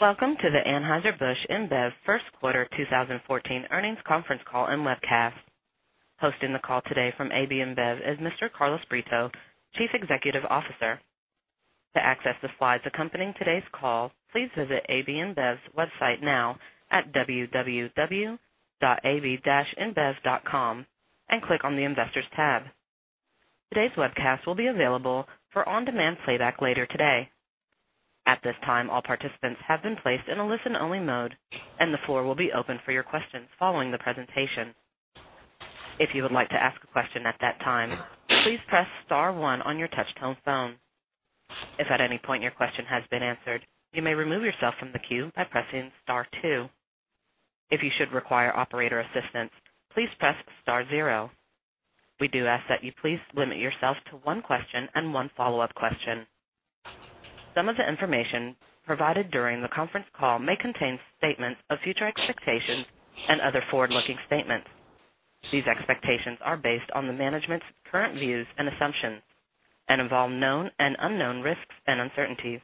Welcome to the Anheuser-Busch InBev first quarter 2014 earnings conference call and webcast. Hosting the call today from AB InBev is Mr. Carlos Brito, Chief Executive Officer. To access the slides accompanying today's call, please visit AB InBev's website now at www.ab-inbev.com and click on the investors tab. Today's webcast will be available for on-demand playback later today. At this time, all participants have been placed in a listen-only mode, and the floor will be open for your questions following the presentation. If you would like to ask a question at that time, please press star one on your touch-tone phone. If at any point your question has been answered, you may remove yourself from the queue by pressing star two. If you should require operator assistance, please press star zero. We do ask that you please limit yourself to one question and one follow-up question. Some of the information provided during the conference call may contain statements of future expectations and other forward-looking statements. These expectations are based on the management's current views and assumptions and involve known and unknown risks and uncertainties.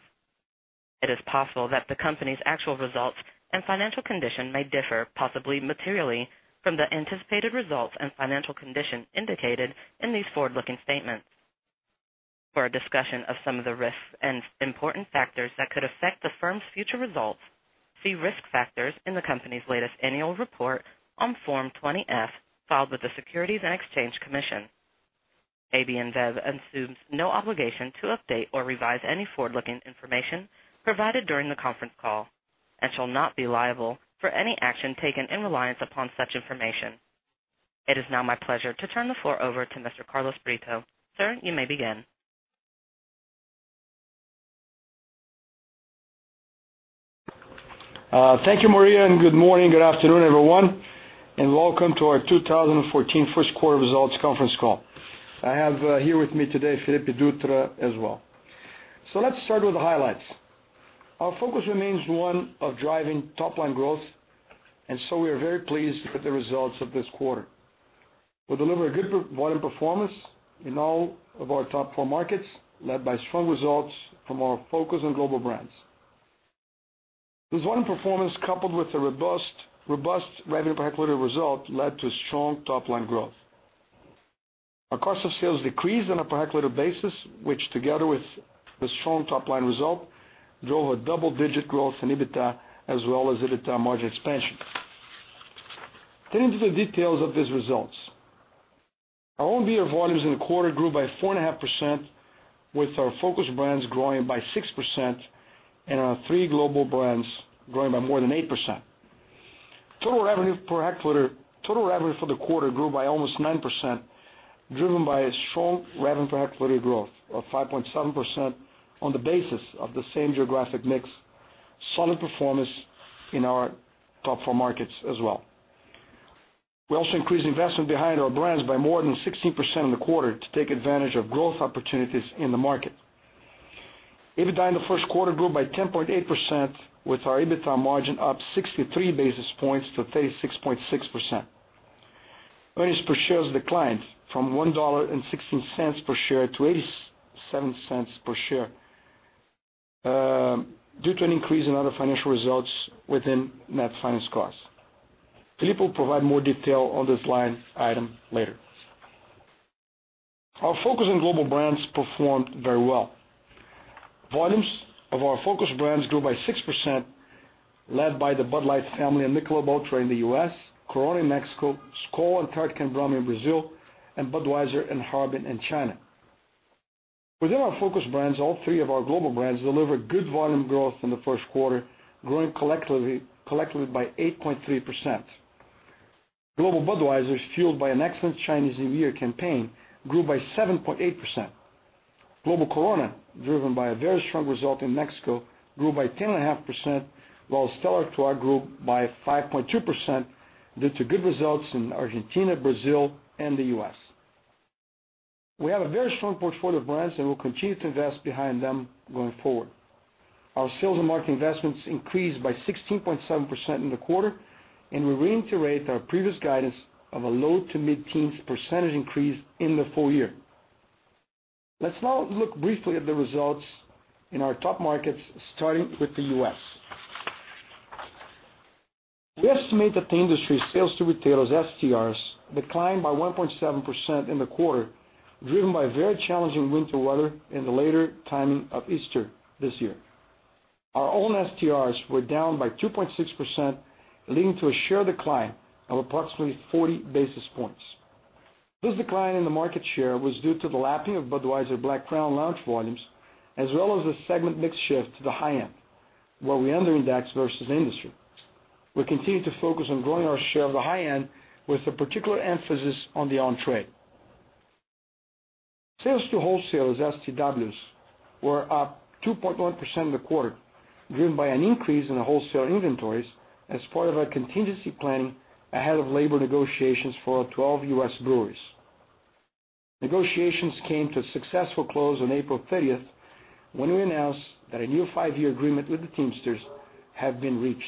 It is possible that the company's actual results and financial condition may differ, possibly materially, from the anticipated results and financial condition indicated in these forward-looking statements. For a discussion of some of the risks and important factors that could affect the firm's future results, see risk factors in the company's latest annual report on Form 20-F filed with the Securities and Exchange Commission. AB InBev assumes no obligation to update or revise any forward-looking information provided during the conference call and shall not be liable for any action taken in reliance upon such information. It is now my pleasure to turn the floor over to Mr. Carlos Brito. Sir, you may begin. Thank you, Maria, and good morning, good afternoon, everyone, and welcome to our 2014 first quarter results conference call. I have here with me today, Felipe Dutra as well. Let's start with the highlights. Our focus remains one of driving top-line growth, and so we are very pleased with the results of this quarter. We delivered a good volume performance in all of our top four markets, led by strong results from our focus on global brands. This volume performance, coupled with a robust revenue per hectolitre result, led to strong top-line growth. Our cost of sales decreased on a per hectolitre basis, which together with the strong top-line result, drove a double-digit growth in EBITDA as well as EBITDA margin expansion. Getting to the details of these results. Our own beer volumes in the quarter grew by 4.5% with our focused brands growing by 6% and our three global brands growing by more than 8%. Total revenue for the quarter grew by almost 9%, driven by a strong revenue per hectolitre growth of 5.7% on the basis of the same geographic mix, solid performance in our top four markets as well. We also increased investment behind our brands by more than 16% in the quarter to take advantage of growth opportunities in the market. EBITDA in the first quarter grew by 10.8%, with our EBITDA margin up 63 basis points to 36.6%. Earnings per share declined from $1.16 per share to $0.87 per share due to an increase in other financial results within net finance costs. Felipe will provide more detail on this line item later. Our focus on global brands performed very well. Volumes of our focus brands grew by 6%, led by the Bud Light family and Michelob ULTRA in the U.S., Corona in Mexico, Skol, Antarctica, and Brahma in Brazil, and Budweiser and Harbin in China. Within our focus brands, all three of our global brands delivered good volume growth in the first quarter, growing collectively by 8.3%. Global Budweiser fueled by an excellent Chinese New Year campaign grew by 7.8%. Global Corona, driven by a very strong result in Mexico, grew by 10.5%, while Stella Artois grew by 5.2% due to good results in Argentina, Brazil, and the U.S. We have a very strong portfolio of brands and will continue to invest behind them going forward. Our sales and marketing investments increased by 16.7% in the quarter, and we reiterate our previous guidance of a low to mid-teens percentage increase in the full year. Let's now look briefly at the results in our top markets, starting with the U.S. We estimate that the industry's sales to retailers, STRs, declined by 1.7% in the quarter, driven by very challenging winter weather and the later timing of Easter this year. Our own STRs were down by 2.6%, leading to a share decline of approximately 40 basis points. This decline in the market share was due to the lapping of Budweiser Black Crown launch volumes, as well as the segment mix shift to the high end, where we under-indexed versus the industry. We continue to focus on growing our share of the high end with a particular emphasis on the on-trade. Sales to wholesalers, STWs, were up 2.1% in the quarter, driven by an increase in the wholesaler inventories as part of our contingency planning ahead of labor negotiations for our 12 U.S. breweries. Negotiations came to a successful close on April 30th, when we announced that a new five-year agreement with the Teamsters had been reached.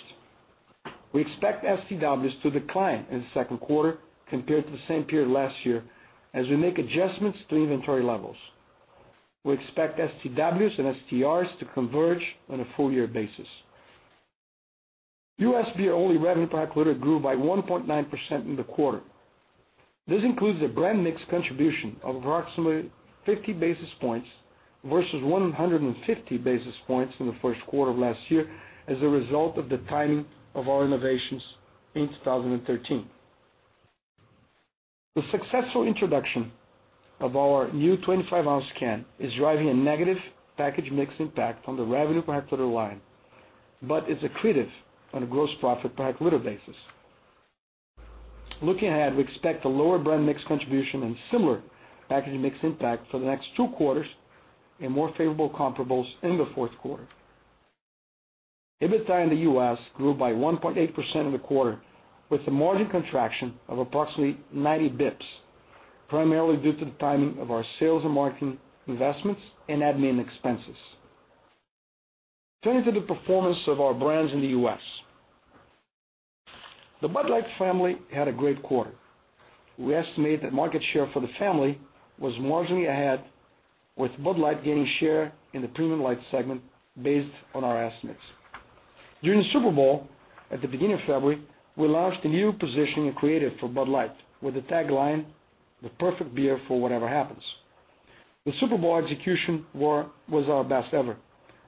We expect STWs to decline in the second quarter compared to the same period last year, as we make adjustments to inventory levels. We expect STWs and STRs to converge on a full-year basis. U.S. beer only revenue per hectolitre grew by 1.9% in the quarter. This includes a brand mix contribution of approximately 50 basis points versus 150 basis points in the first quarter of last year as a result of the timing of our innovations in 2013. The successful introduction of our new 25-ounce can is driving a negative package mix impact on the revenue per hectolitre line, but it's accretive on a gross profit per hectolitre basis. Looking ahead, we expect a lower brand mix contribution and similar package mix impact for the next two quarters and more favorable comparables in the fourth quarter. EBITDA in the U.S. grew by 1.8% in the quarter with a margin contraction of approximately 90 basis points, primarily due to the timing of our sales and marketing investments and admin expenses. Turning to the performance of our brands in the U.S. The Bud Light family had a great quarter. We estimate that market share for the family was marginally ahead, with Bud Light gaining share in the premium light segment based on our estimates. During the Super Bowl at the beginning of February, we launched a new position and creative for Bud Light with the tagline, "The Perfect Beer for Whatever Happens." The Super Bowl execution was our best ever,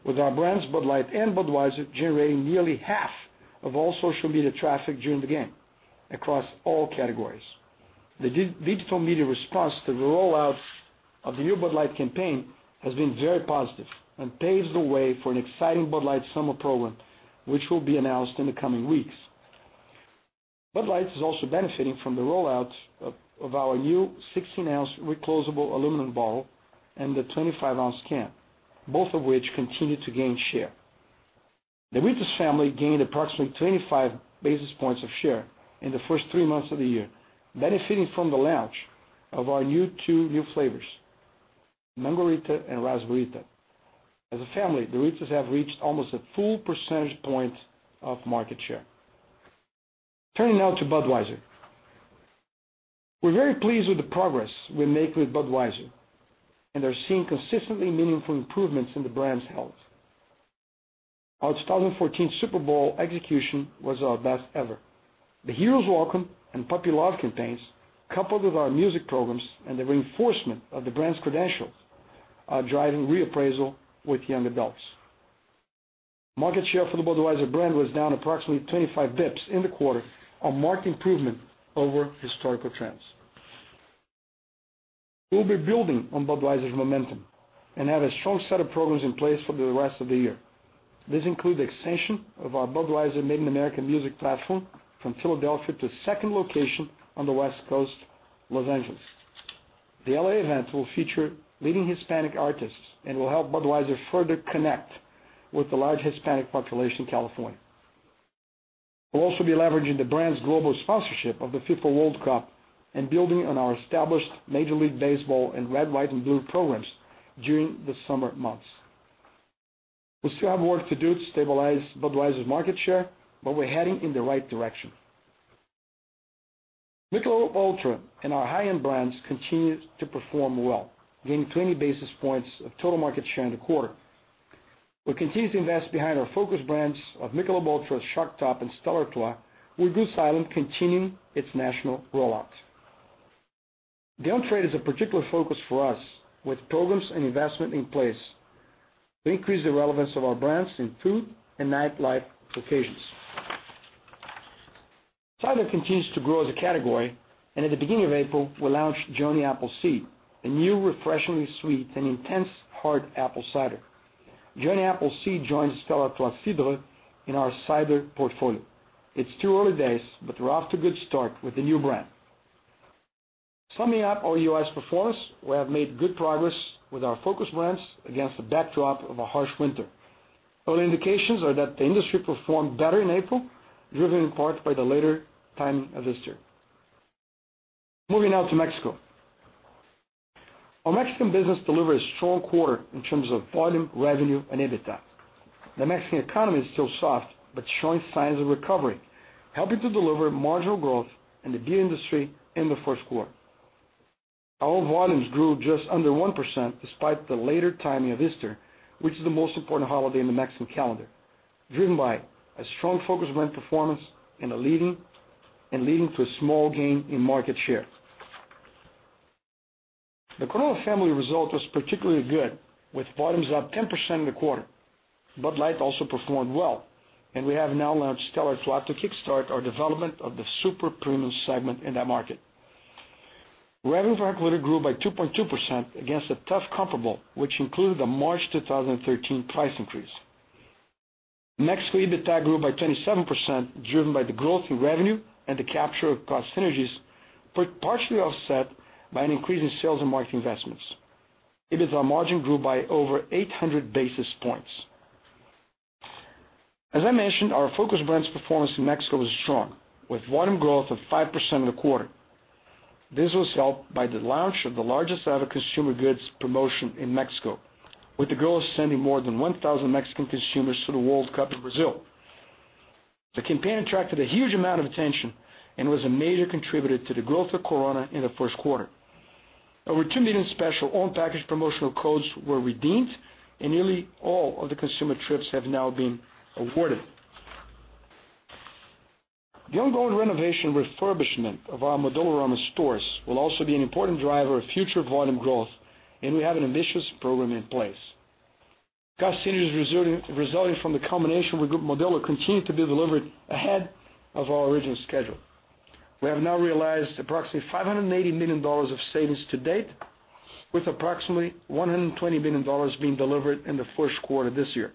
with our brands Bud Light and Budweiser generating nearly half of all social media traffic during the game across all categories. The digital media response to the rollout of the new Bud Light campaign has been very positive and paves the way for an exciting Bud Light summer program, which will be announced in the coming weeks. Bud Light is also benefiting from the rollout of our new 16-ounce reclosable aluminum bottle and the 25-ounce can, both of which continue to gain share. The Ritas family gained approximately 25 basis points of share in the first three months of the year, benefiting from the launch of our two new flavors, Mang-O-Rita and Raz-Ber-Rita. As a family, the Ritas have reached almost a full percentage point of market share. Turning now to Budweiser. We are very pleased with the progress we make with Budweiser and are seeing consistently meaningful improvements in the brand's health. Our 2014 Super Bowl execution was our best ever. The Hero's Welcome and Puppy Love campaigns, coupled with our music programs and the reinforcement of the brand's credentials, are driving reappraisal with young adults. Market share for the Budweiser brand was down approximately 25 basis points in the quarter, a marked improvement over historical trends. We will be building on Budweiser's momentum and have a strong set of programs in place for the rest of the year. These include the extension of our Budweiser Made in America music platform from Philadelphia to a second location on the West Coast, Los Angeles. The L.A. event will feature leading Hispanic artists and will help Budweiser further connect with the large Hispanic population in California. We will also be leveraging the brand's global sponsorship of the FIFA World Cup and building on our established Major League Baseball and Red, White, and Blue programs during the summer months. We still have work to do to stabilize Budweiser's market share, but we are heading in the right direction. Michelob ULTRA and our high-end brands continue to perform well, gaining 20 basis points of total market share in the quarter. We continue to invest behind our focus brands of Michelob ULTRA, Shock Top, and Stella Artois, with Goose Island continuing its national rollout. The on-trade is a particular focus for us with programs and investment in place to increase the relevance of our brands in food and nightlife occasions. Cider continues to grow as a category. At the beginning of April, we launched Johnny Appleseed, a new refreshingly sweet and intense hard apple cider. Johnny Appleseed joins Stella Artois Cidre in our cider portfolio. It is too early days, but we are off to a good start with the new brand. Summing up our U.S. performance, we have made good progress with our focus brands against the backdrop of a harsh winter. Early indications are that the industry performed better in April, driven in part by the later timing of Easter. Moving now to Mexico. Our Mexican business delivered a strong quarter in terms of volume, revenue, and EBITDA. The Mexican economy is still soft but showing signs of recovery, helping to deliver marginal growth in the beer industry in the first quarter. Our volumes grew just under 1% despite the later timing of Easter, which is the most important holiday in the Mexican calendar, driven by a strong focus brand performance and leading to a small gain in market share. The Corona family result was particularly good, with volumes up 10% in the quarter. Bud Light also performed well. We have now launched Stella Artois to kickstart our development of the super premium segment in that market. Revenue per hectolitre grew by 2.2% against a tough comparable, which included the March 2013 price increase. Mexican EBITDA grew by 27%, driven by the growth in revenue and the capture of cost synergies, partially offset by an increase in sales and marketing investments. EBITDA margin grew by over 800 basis points. As I mentioned, our focus brands' performance in Mexico was strong, with volume growth of 5% in the quarter. This was helped by the launch of the largest ever consumer goods promotion in Mexico, with the goal of sending more than 1,000 Mexican consumers to the World Cup in Brazil. The campaign attracted a huge amount of attention and was a major contributor to the growth of Corona in the first quarter. Over 2 million special on-package promotional codes were redeemed, and nearly all of the consumer trips have now been awarded. The ongoing renovation refurbishment of our Modelorama stores will also be an important driver of future volume growth. We have an ambitious program in place. Cost synergies resulting from the combination with Grupo Modelo continue to be delivered ahead of our original schedule. We have now realized approximately $580 million of savings to date, with approximately $120 million being delivered in the first quarter this year.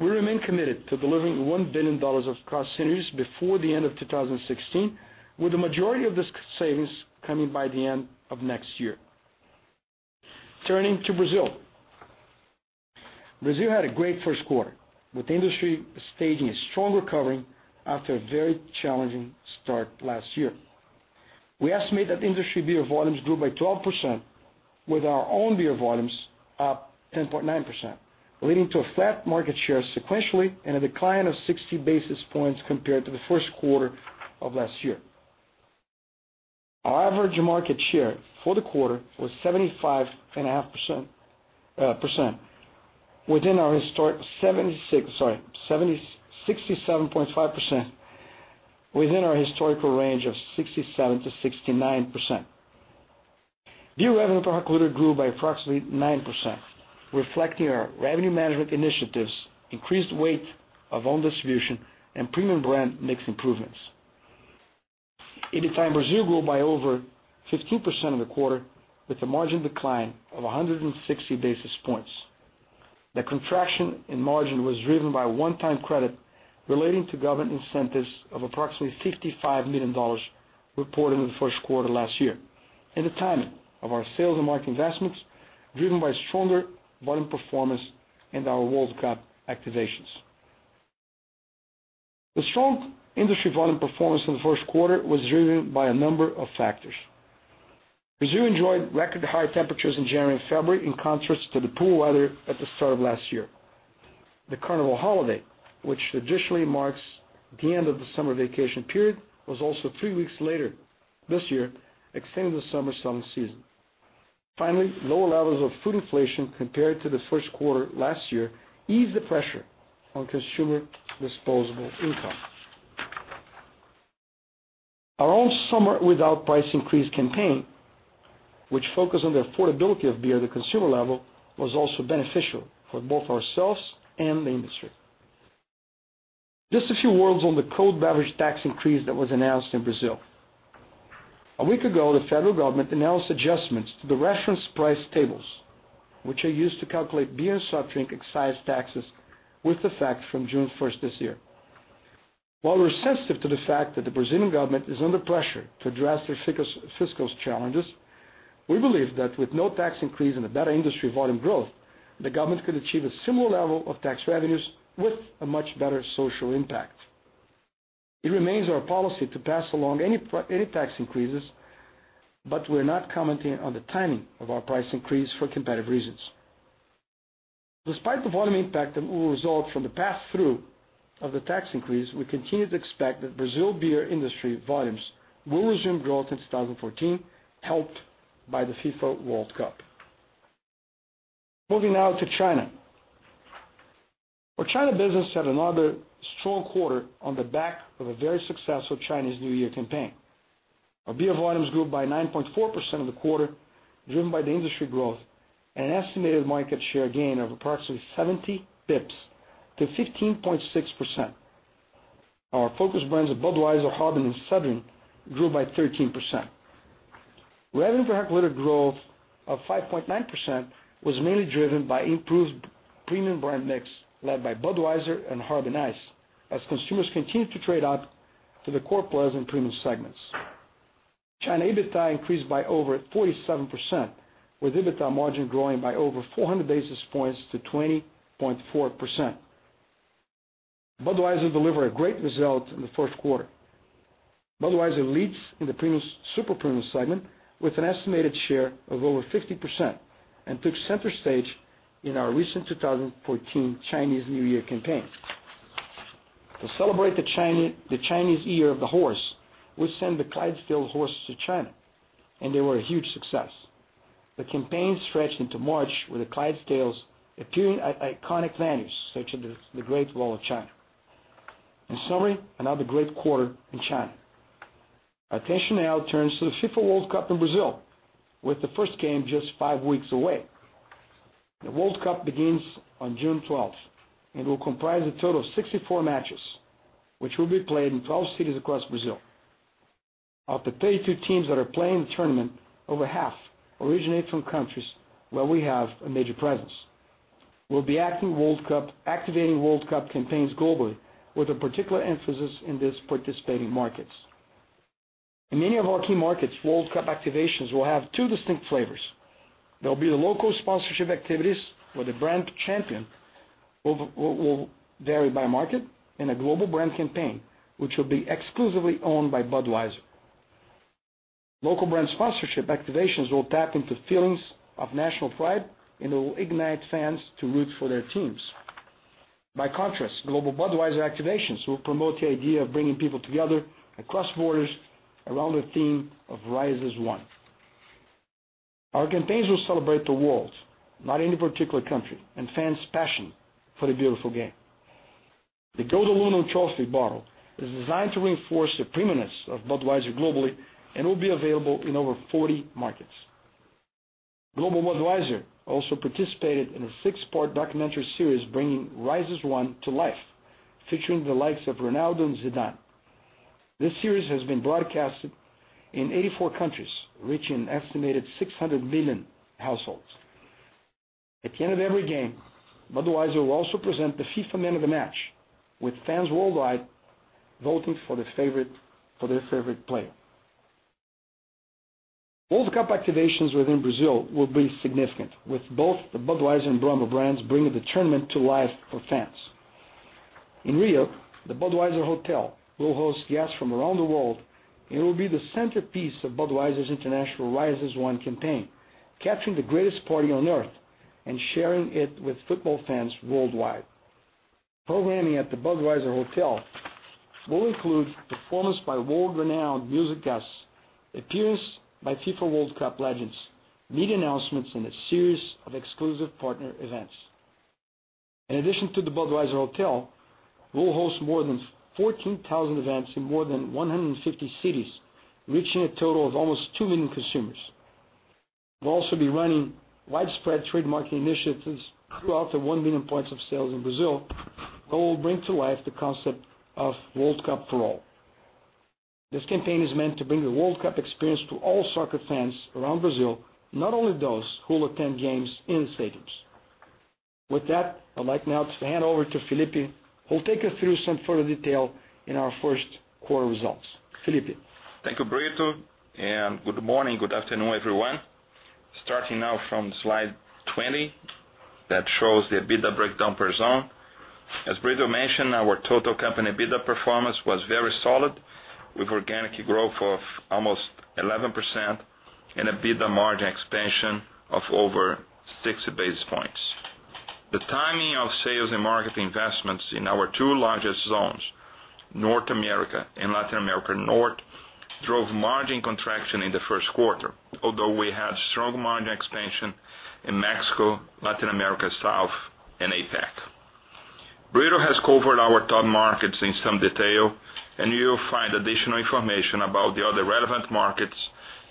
We remain committed to delivering $1 billion of cost synergies before the end of 2016, with the majority of these savings coming by the end of next year. Turning to Brazil. Brazil had a great first quarter, with the industry staging a strong recovery after a very challenging start last year. We estimate that industry beer volumes grew by 12%, with our own beer volumes up 10.9%, leading to a flat market share sequentially and a decline of 60 basis points compared to the first quarter of last year. Our average market share for the quarter was 67.5%, within our historical range of 67% to 69%. Beer revenue per hectolitre grew by approximately 9%, reflecting our revenue management initiatives, increased weight of own distribution, and premium brand mix improvements. EBITDA Brazil grew by over 15% in the quarter, with a margin decline of 160 basis points. The contraction in margin was driven by a one-time credit relating to government incentives of approximately $55 million reported in the first quarter last year, and the timing of our sales and marketing investments, driven by stronger volume performance and our World Cup activations. The strong industry volume performance in the first quarter was driven by a number of factors. Brazil enjoyed record high temperatures in January and February, in contrast to the poor weather at the start of last year. The Carnival holiday, which traditionally marks the end of the summer vacation period, was also three weeks later this year, extending the summer selling season. Finally, lower levels of food inflation compared to the first quarter last year eased the pressure on consumer disposable income. Our own Summer Without Price Increase campaign, which focused on the affordability of beer at the consumer level, was also beneficial for both ourselves and the industry. Just a few words on the cold beverage tax increase that was announced in Brazil. A week ago, the federal government announced adjustments to the reference price tables, which are used to calculate beer and soft drink excise taxes with effect from June 1st this year. While we're sensitive to the fact that the Brazilian government is under pressure to address their fiscal challenges, we believe that with no tax increase and a better industry volume growth, the government could achieve a similar level of tax revenues with a much better social impact. It remains our policy to pass along any tax increases. We're not commenting on the timing of our price increase for competitive reasons. Despite the volume impact that will result from the pass-through of the tax increase, we continue to expect that Brazil beer industry volumes will resume growth in 2014, helped by the FIFA World Cup. Moving now to China. Our China business had another strong quarter on the back of a very successful Chinese New Year campaign. Our beer volumes grew by 9.4% in the quarter, driven by the industry growth and an estimated market share gain of approximately 70 basis points to 15.6%. Our focus brands of Budweiser, Harbin, and Sedrin grew by 13%. Revenue per hectolitre growth of 5.9% was mainly driven by improved premium brand mix, led by Budweiser and Harbin Ice, as consumers continued to trade up to the core plus and premium segments. China EBITDA increased by over 47%, with EBITDA margin growing by over 400 basis points to 20.4%. Budweiser delivered a great result in the first quarter. Budweiser leads in the super premium segment with an estimated share of over 50% and took center stage in our recent 2014 Chinese New Year campaign. To celebrate the Chinese Year of the Horse, we sent the Clydesdale horses to China, and they were a huge success. The campaign stretched into March, with the Clydesdales appearing at iconic venues such as the Great Wall of China. In summary, another great quarter in China. Our attention now turns to the FIFA World Cup in Brazil, with the first game just five weeks away. The World Cup begins on June 12th and will comprise a total of 64 matches, which will be played in 12 cities across Brazil. Of the 32 teams that are playing in the tournament, over half originate from countries where we have a major presence. We'll be activating World Cup campaigns globally, with a particular emphasis in these participating markets. In many of our key markets, World Cup activations will have two distinct flavors. There will be the local sponsorship activities where the brand champion will vary by market, and a global brand campaign, which will be exclusively owned by Budweiser. Local brand sponsorship activations will tap into feelings of national pride, and it will ignite fans to root for their teams. By contrast, global Budweiser activations will promote the idea of bringing people together across borders around the theme of Rise as One. Our campaigns will celebrate the world, not any particular country, and fans' passion for the beautiful game. The Gold Aluminum trophy bottle is designed to reinforce the preeminence of Budweiser globally and will be available in over 40 markets. Global Budweiser also participated in a six-part documentary series bringing Rise as One to life, featuring the likes of Ronaldo and Zidane. This series has been broadcast in 84 countries, reaching an estimated 600 million households. At the end of every game, Budweiser will also present the FIFA Man of the Match, with fans worldwide voting for their favorite player. World Cup activations within Brazil will be significant, with both the Budweiser and Brahma brands bringing the tournament to life for fans. In Rio, the Budweiser Hotel will host guests from around the world, and it will be the centerpiece of Budweiser's international Rise as One campaign, capturing the greatest party on Earth and sharing it with football fans worldwide. Programming at the Budweiser Hotel will include performance by world-renowned music guests, appearance by FIFA World Cup legends, media announcements, and a series of exclusive partner events. In addition to the Budweiser Hotel, we'll host more than 14,000 events in more than 150 cities, reaching a total of almost two million consumers. We'll also be running widespread trade marketing initiatives throughout the one million points of sales in Brazil that will bring to life the concept of World Cup for all. This campaign is meant to bring the World Cup experience to all soccer fans around Brazil, not only those who will attend games in stadiums. With that, I'd like now to hand over to Felipe, who'll take us through some further detail in our first quarter results. Felipe. Thank you, Brito, and good morning, good afternoon, everyone. Starting now from slide 20 that shows the EBITDA breakdown per zone. As Brito mentioned, our total company EBITDA performance was very solid, with organic growth of almost 11% and EBITDA margin expansion of over 60 basis points. The timing of sales and marketing investments in our two largest zones, North America and Latin America North, drove margin contraction in the first quarter, although we had strong margin expansion in Mexico, Latin America South, and APAC. Brito has covered our top markets in some detail, and you'll find additional information about the other relevant markets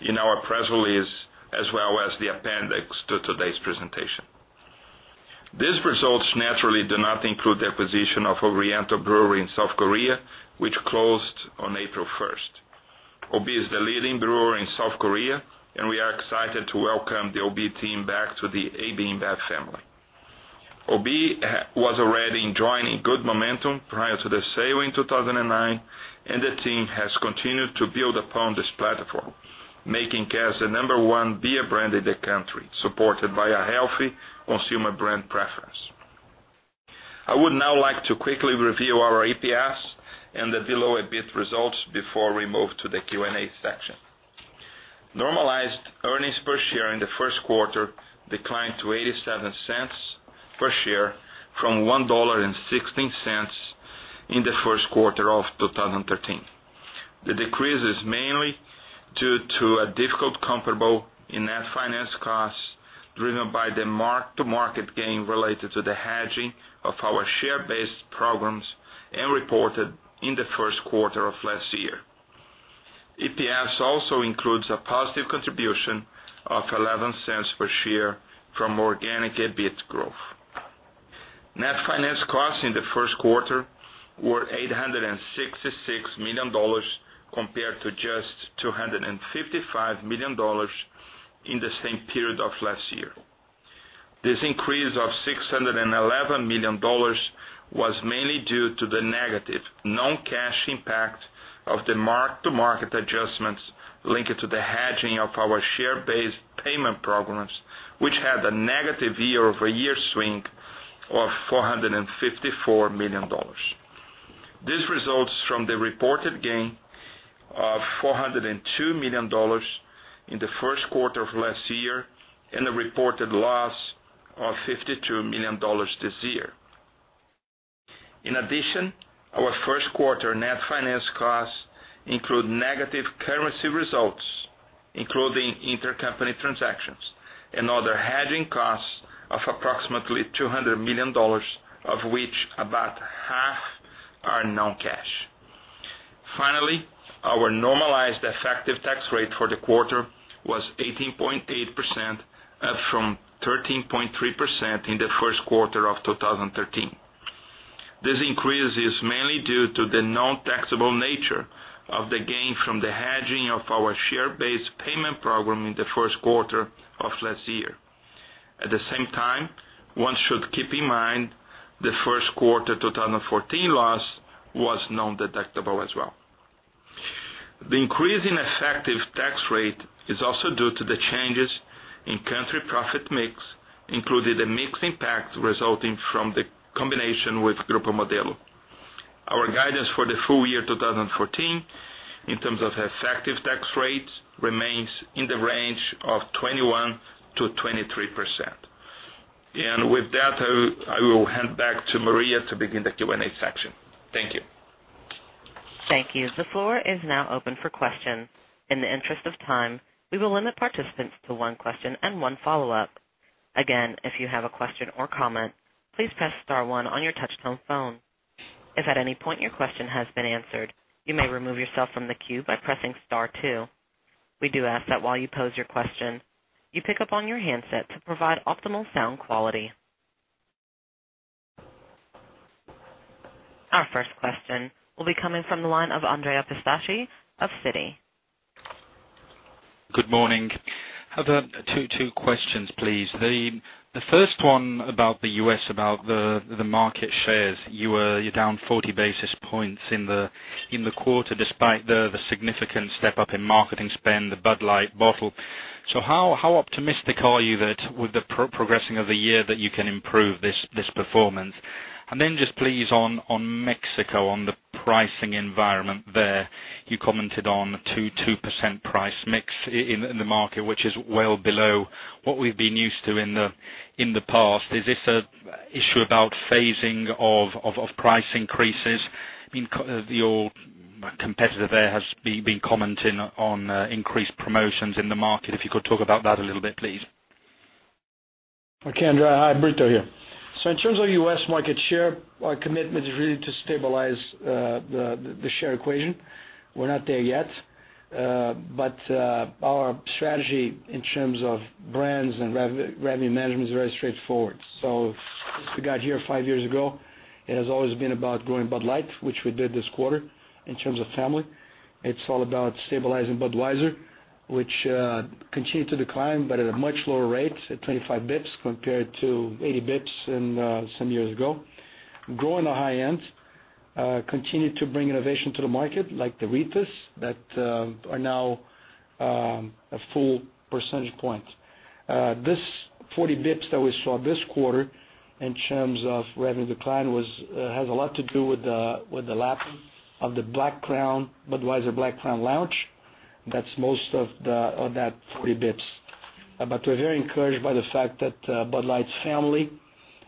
in our press release as well as the appendix to today's presentation. These results naturally do not include the acquisition of Oriental Brewery in South Korea, which closed on April 1st. OB is the leading brewer in South Korea, and we are excited to welcome the OB team back to the AB InBev family. OB was already enjoying good momentum prior to the sale in 2009, and the team has continued to build upon this platform, making us the number one beer brand in the country, supported by a healthy consumer brand preference. I would now like to quickly review our EPS and the dilutive EBIT results before we move to the Q&A section. Normalized earnings per share in the first quarter declined to $0.87 per share from $1.16 in the first quarter of 2013. The decrease is mainly due to a difficult comparable in net finance costs, driven by the mark-to-market gain related to the hedging of our share-based programs and reported in the first quarter of last year. EPS also includes a positive contribution of $0.11 per share from organic EBIT growth. Net finance costs in the first quarter were $866 million compared to just $255 million in the same period of last year. This increase of $611 million was mainly due to the negative non-cash impact of the mark-to-market adjustments linked to the hedging of our share-based payment programs, which had a negative year-over-year swing of $454 million. This results from the reported gain of $402 million in the first quarter of last year and a reported loss of $52 million this year. In addition, our first quarter net finance costs include negative currency results, including intercompany transactions and other hedging costs of approximately $200 million, of which about half are non-cash. Finally, our normalized effective tax rate for the quarter was 18.8%, up from 13.3% in the first quarter of 2013. This increase is mainly due to the non-taxable nature of the gain from the hedging of our share-based payment program in the first quarter of last year. At the same time, one should keep in mind the first quarter 2014 loss was non-deductible as well. The increase in effective tax rate is also due to the changes in country profit mix, including the mix impact resulting from the combination with Grupo Modelo. Our guidance for the full year 2014, in terms of effective tax rates, remains in the range of 21%-23%. With that, I will hand back to Maria to begin the Q&A section. Thank you. Thank you. The floor is now open for questions. In the interest of time, we will limit participants to one question and one follow-up. Again, if you have a question or comment, please press star one on your touch-tone phone. If at any point your question has been answered, you may remove yourself from the queue by pressing star two. We do ask that while you pose your question, you pick up on your handset to provide optimal sound quality. Our first question will be coming from the line of Andrea Pistacchi of Citi. Good morning. I have two questions, please. The first one about the U.S., about the market shares. You're down 40 basis points in the quarter despite the significant step-up in marketing spend, the Bud Light bottle. How optimistic are you that with the progressing of the year that you can improve this performance? Just please, on Mexico, on the pricing environment there. You commented on 2% price mix in the market, which is well below what we've been used to in the past. Is this an issue about phasing of price increases? Your competitor there has been commenting on increased promotions in the market. If you could talk about that a little bit, please. Okay, Andrea. Hi, Brito here. In terms of U.S. market share, our commitment is really to stabilize the share equation. We're not there yet. Our strategy in terms of brands and revenue management is very straightforward. Since we got here five years ago, it has always been about growing Bud Light, which we did this quarter in terms of family. It's all about stabilizing Budweiser, which continued to decline but at a much lower rate, at 25 basis points, compared to 80 basis points some years ago. Growing the high end. Continue to bring innovation to the market, like the Ritas that are now a full percentage point. This 40 basis points that we saw this quarter in terms of revenue decline has a lot to do with the lack of the Budweiser Black Crown launch. That's most of that 40 basis points. We're very encouraged by the fact that Bud Light's family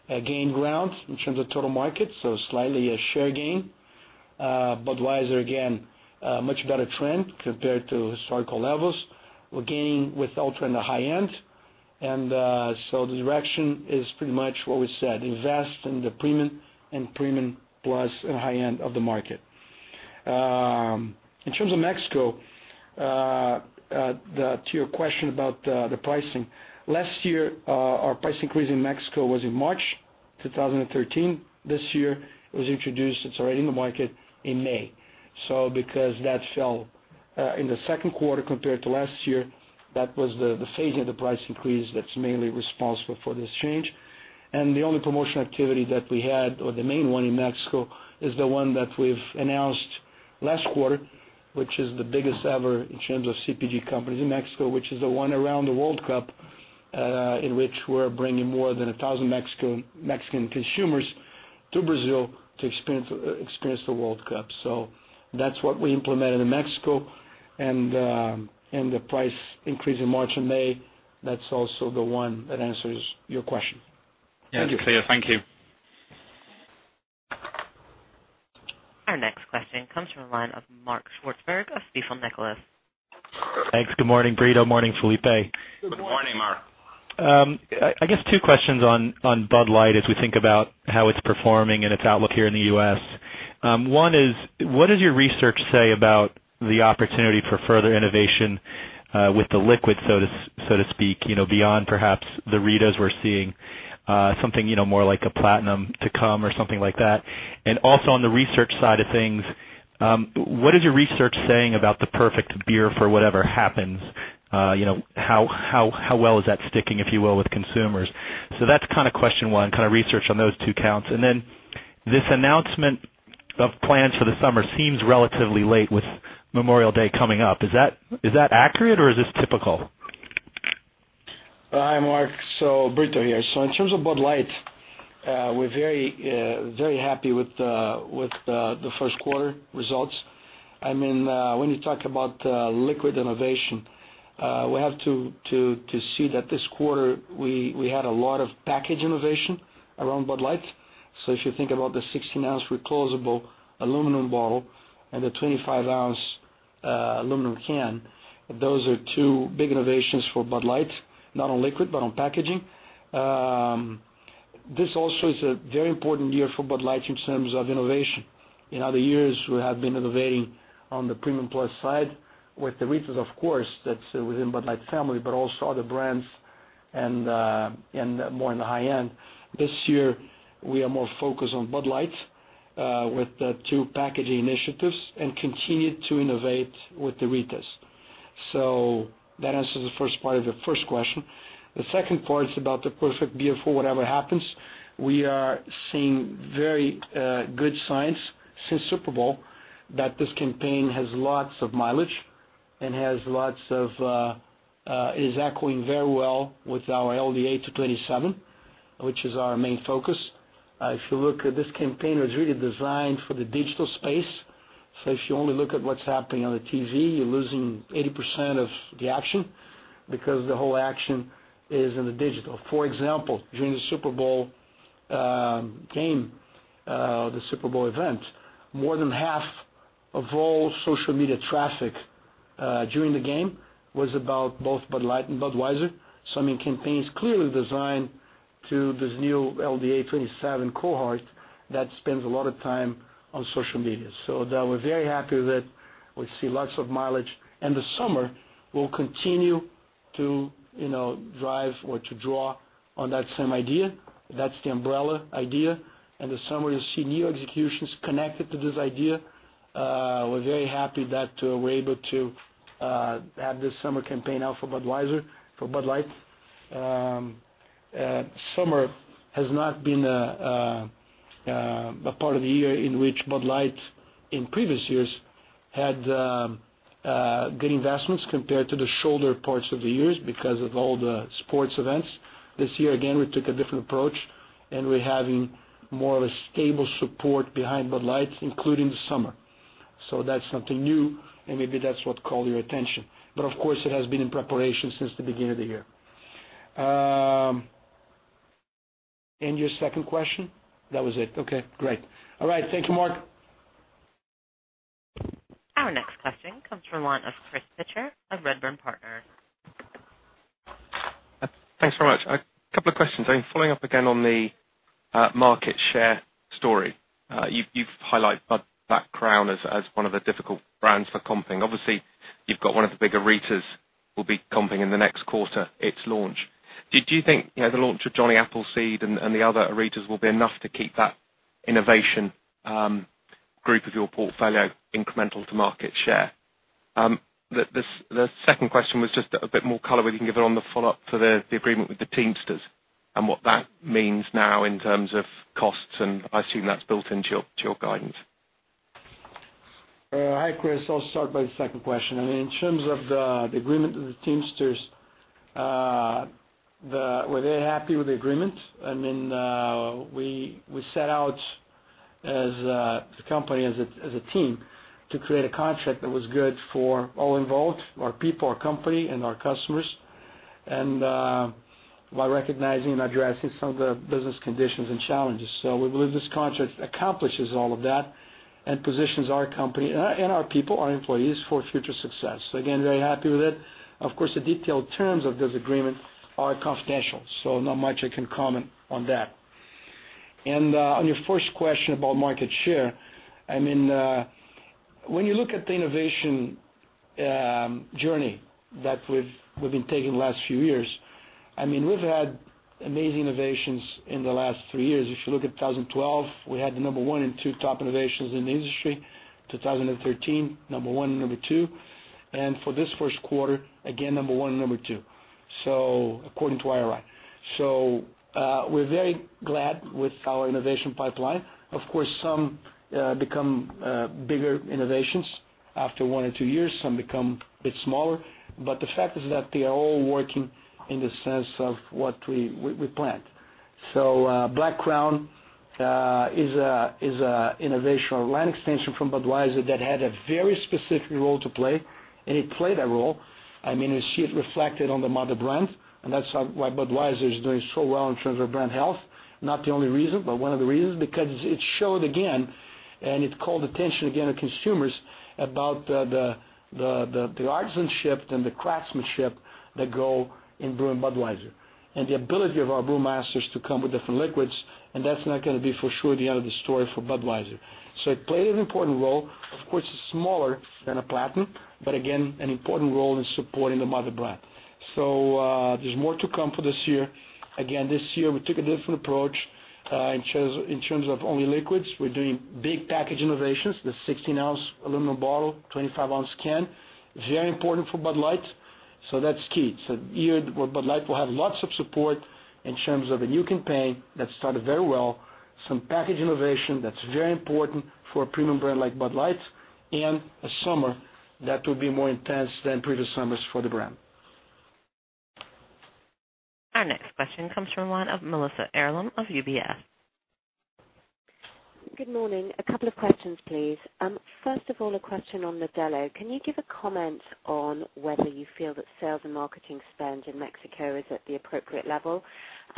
gained ground in terms of total market, slightly a share gain. Budweiser, again, much better trend compared to historical levels. We're gaining with Ultra in the high end. The direction is pretty much what we said, invest in the premium and premium plus and high end of the market. In terms of Mexico, to your question about the pricing. Last year, our price increase in Mexico was in March 2013. This year, it was introduced, it's already in the market, in May. Because that fell in the second quarter compared to last year, that was the phasing of the price increase that's mainly responsible for this change. The only promotion activity that we had, or the main one in Mexico, is the one that we've announced last quarter, which is the biggest ever in terms of CPG companies in Mexico, which is the one around the World Cup. In which we're bringing more than 1,000 Mexican consumers to Brazil to experience the World Cup. That's what we implemented in Mexico, and the price increase in March and May, that's also the one that answers your question. Yeah, clear. Thank you. Our next question comes from the line of Mark Swartzberg of Stifel Nicolaus. Thanks. Good morning, Brito. Morning, Felipe. Good morning. Good morning, Mark. I guess two questions on Bud Light as we think about how it's performing and its outlook here in the U.S. One is, what does your research say about the opportunity for further innovation with the liquid, so to speak, beyond perhaps the Ritas we're seeing, something more like a Platinum to come or something like that? Also on the research side of things, what is your research saying about The Perfect Beer for Whatever Happens? How well is that sticking, if you will, with consumers? That's question one, research on those two counts. This announcement of plans for the summer seems relatively late with Memorial Day coming up. Is that accurate, or is this typical? Hi, Mark. Brito here. In terms of Bud Light, we're very happy with the first quarter results. When you talk about liquid innovation, we have to see that this quarter we had a lot of package innovation around Bud Light. If you think about the 16-ounce reclosable aluminum bottle and the 25-ounce aluminum can, those are two big innovations for Bud Light, not on liquid, but on packaging. This also is a very important year for Bud Light in terms of innovation. In other years, we have been innovating on the premium plus side with the Ritas, of course, that's within Bud Light family, but also other brands and more in the high end. This year, we are more focused on Bud Light with the two packaging initiatives and continue to innovate with the Ritas. That answers the first part of the first question. The second part is about The Perfect Beer for Whatever Happens. We are seeing very good signs since Super Bowl that this campaign has lots of mileage and is echoing very well with our LDA to 27, which is our main focus. If you look at this campaign, it was really designed for the digital space. If you only look at what's happening on the TV, you're losing 80% of the action because the whole action is in the digital. For example, during the Super Bowl game, the Super Bowl event, more than half of all social media traffic during the game was about both Bud Light and Budweiser. I mean, campaign's clearly designed to this new LDA 27 cohort that spends a lot of time on social media. We're very happy that we see lots of mileage. The summer will continue to drive or to draw on that same idea. That's the umbrella idea, the summer, you'll see new executions connected to this idea. We're very happy that we're able to have this summer campaign out for Bud Light. Summer has not been a part of the year in which Bud Light, in previous years, had good investments compared to the shoulder parts of the years because of all the sports events. This year, again, we took a different approach, and we're having more of a stable support behind Bud Light, including the summer. That's something new, and maybe that's what called your attention. Of course, it has been in preparation since the beginning of the year. Your second question? That was it. Okay, great. All right. Thank you, Mark. Our next question comes from Chris Pitcher of Redburn Partners. Thanks very much. A couple of questions. I'm following up again on the market share story. You've highlighted Black Crown as one of the difficult brands for comping. Obviously, you've got one of the bigger Ritas will be comping in the next quarter, its launch. Did you think the launch of Johnny Appleseed and the other Ritas will be enough to keep that innovation group of your portfolio incremental to market share? The second question was just a bit more color where you can give it on the follow-up for the agreement with the Teamsters and what that means now in terms of costs. I assume that's built into your guidance. Hi, Chris. I'll start by the second question. I mean, in terms of the agreement with the Teamsters, were they happy with the agreement? I mean, we set out as a company, as a team, to create a contract that was good for all involved, our people, our company, and our customers, and while recognizing and addressing some of the business conditions and challenges. We believe this contract accomplishes all of that and positions our company and our people, our employees, for future success. Again, very happy with it. Of course, the detailed terms of this agreement are confidential, so not much I can comment on that. On your first question about market share, I mean, when you look at the innovation journey that we've been taking the last few years, I mean, we've had amazing innovations in the last three years. If you look at 2012, we had the number one and two top innovations in the industry. 2013, number one and number two. For this first quarter, again, number one and number two. According to IRI. We're very glad with our innovation pipeline. Of course, some become bigger innovations after one or two years. Some become a bit smaller. The fact is that they are all working in the sense of what we planned. Black Crown is a innovation or line extension from Budweiser that had a very specific role to play, and it played that role. I mean, you see it reflected on the mother brand, and that's why Budweiser is doing so well in terms of brand health. Not the only reason, but one of the reasons, because it showed again, and it called attention again to consumers about the artisanship and the craftsmanship that go in brewing Budweiser, and the ability of our brew masters to come with different liquids, and that's not going to be for sure the end of the story for Budweiser. It played an important role. Of course, it's smaller than a Platinum, but again, an important role in supporting the mother brand. There's more to come for this year. Again, this year, we took a different approach in terms of only liquids. We're doing big package innovations, the 16-ounce aluminum bottle, 25-ounce can. Very important for Bud Light. That's key. A year where Bud Light will have lots of support in terms of a new campaign that started very well, some package innovation that's very important for a premium brand like Bud Light, and a summer that will be more intense than previous summers for the brand. Our next question comes from Melissa Earlam of UBS. Good morning. A couple of questions, please. First of all, a question on Modelo. Can you give a comment on whether you feel that sales and marketing spend in Mexico is at the appropriate level?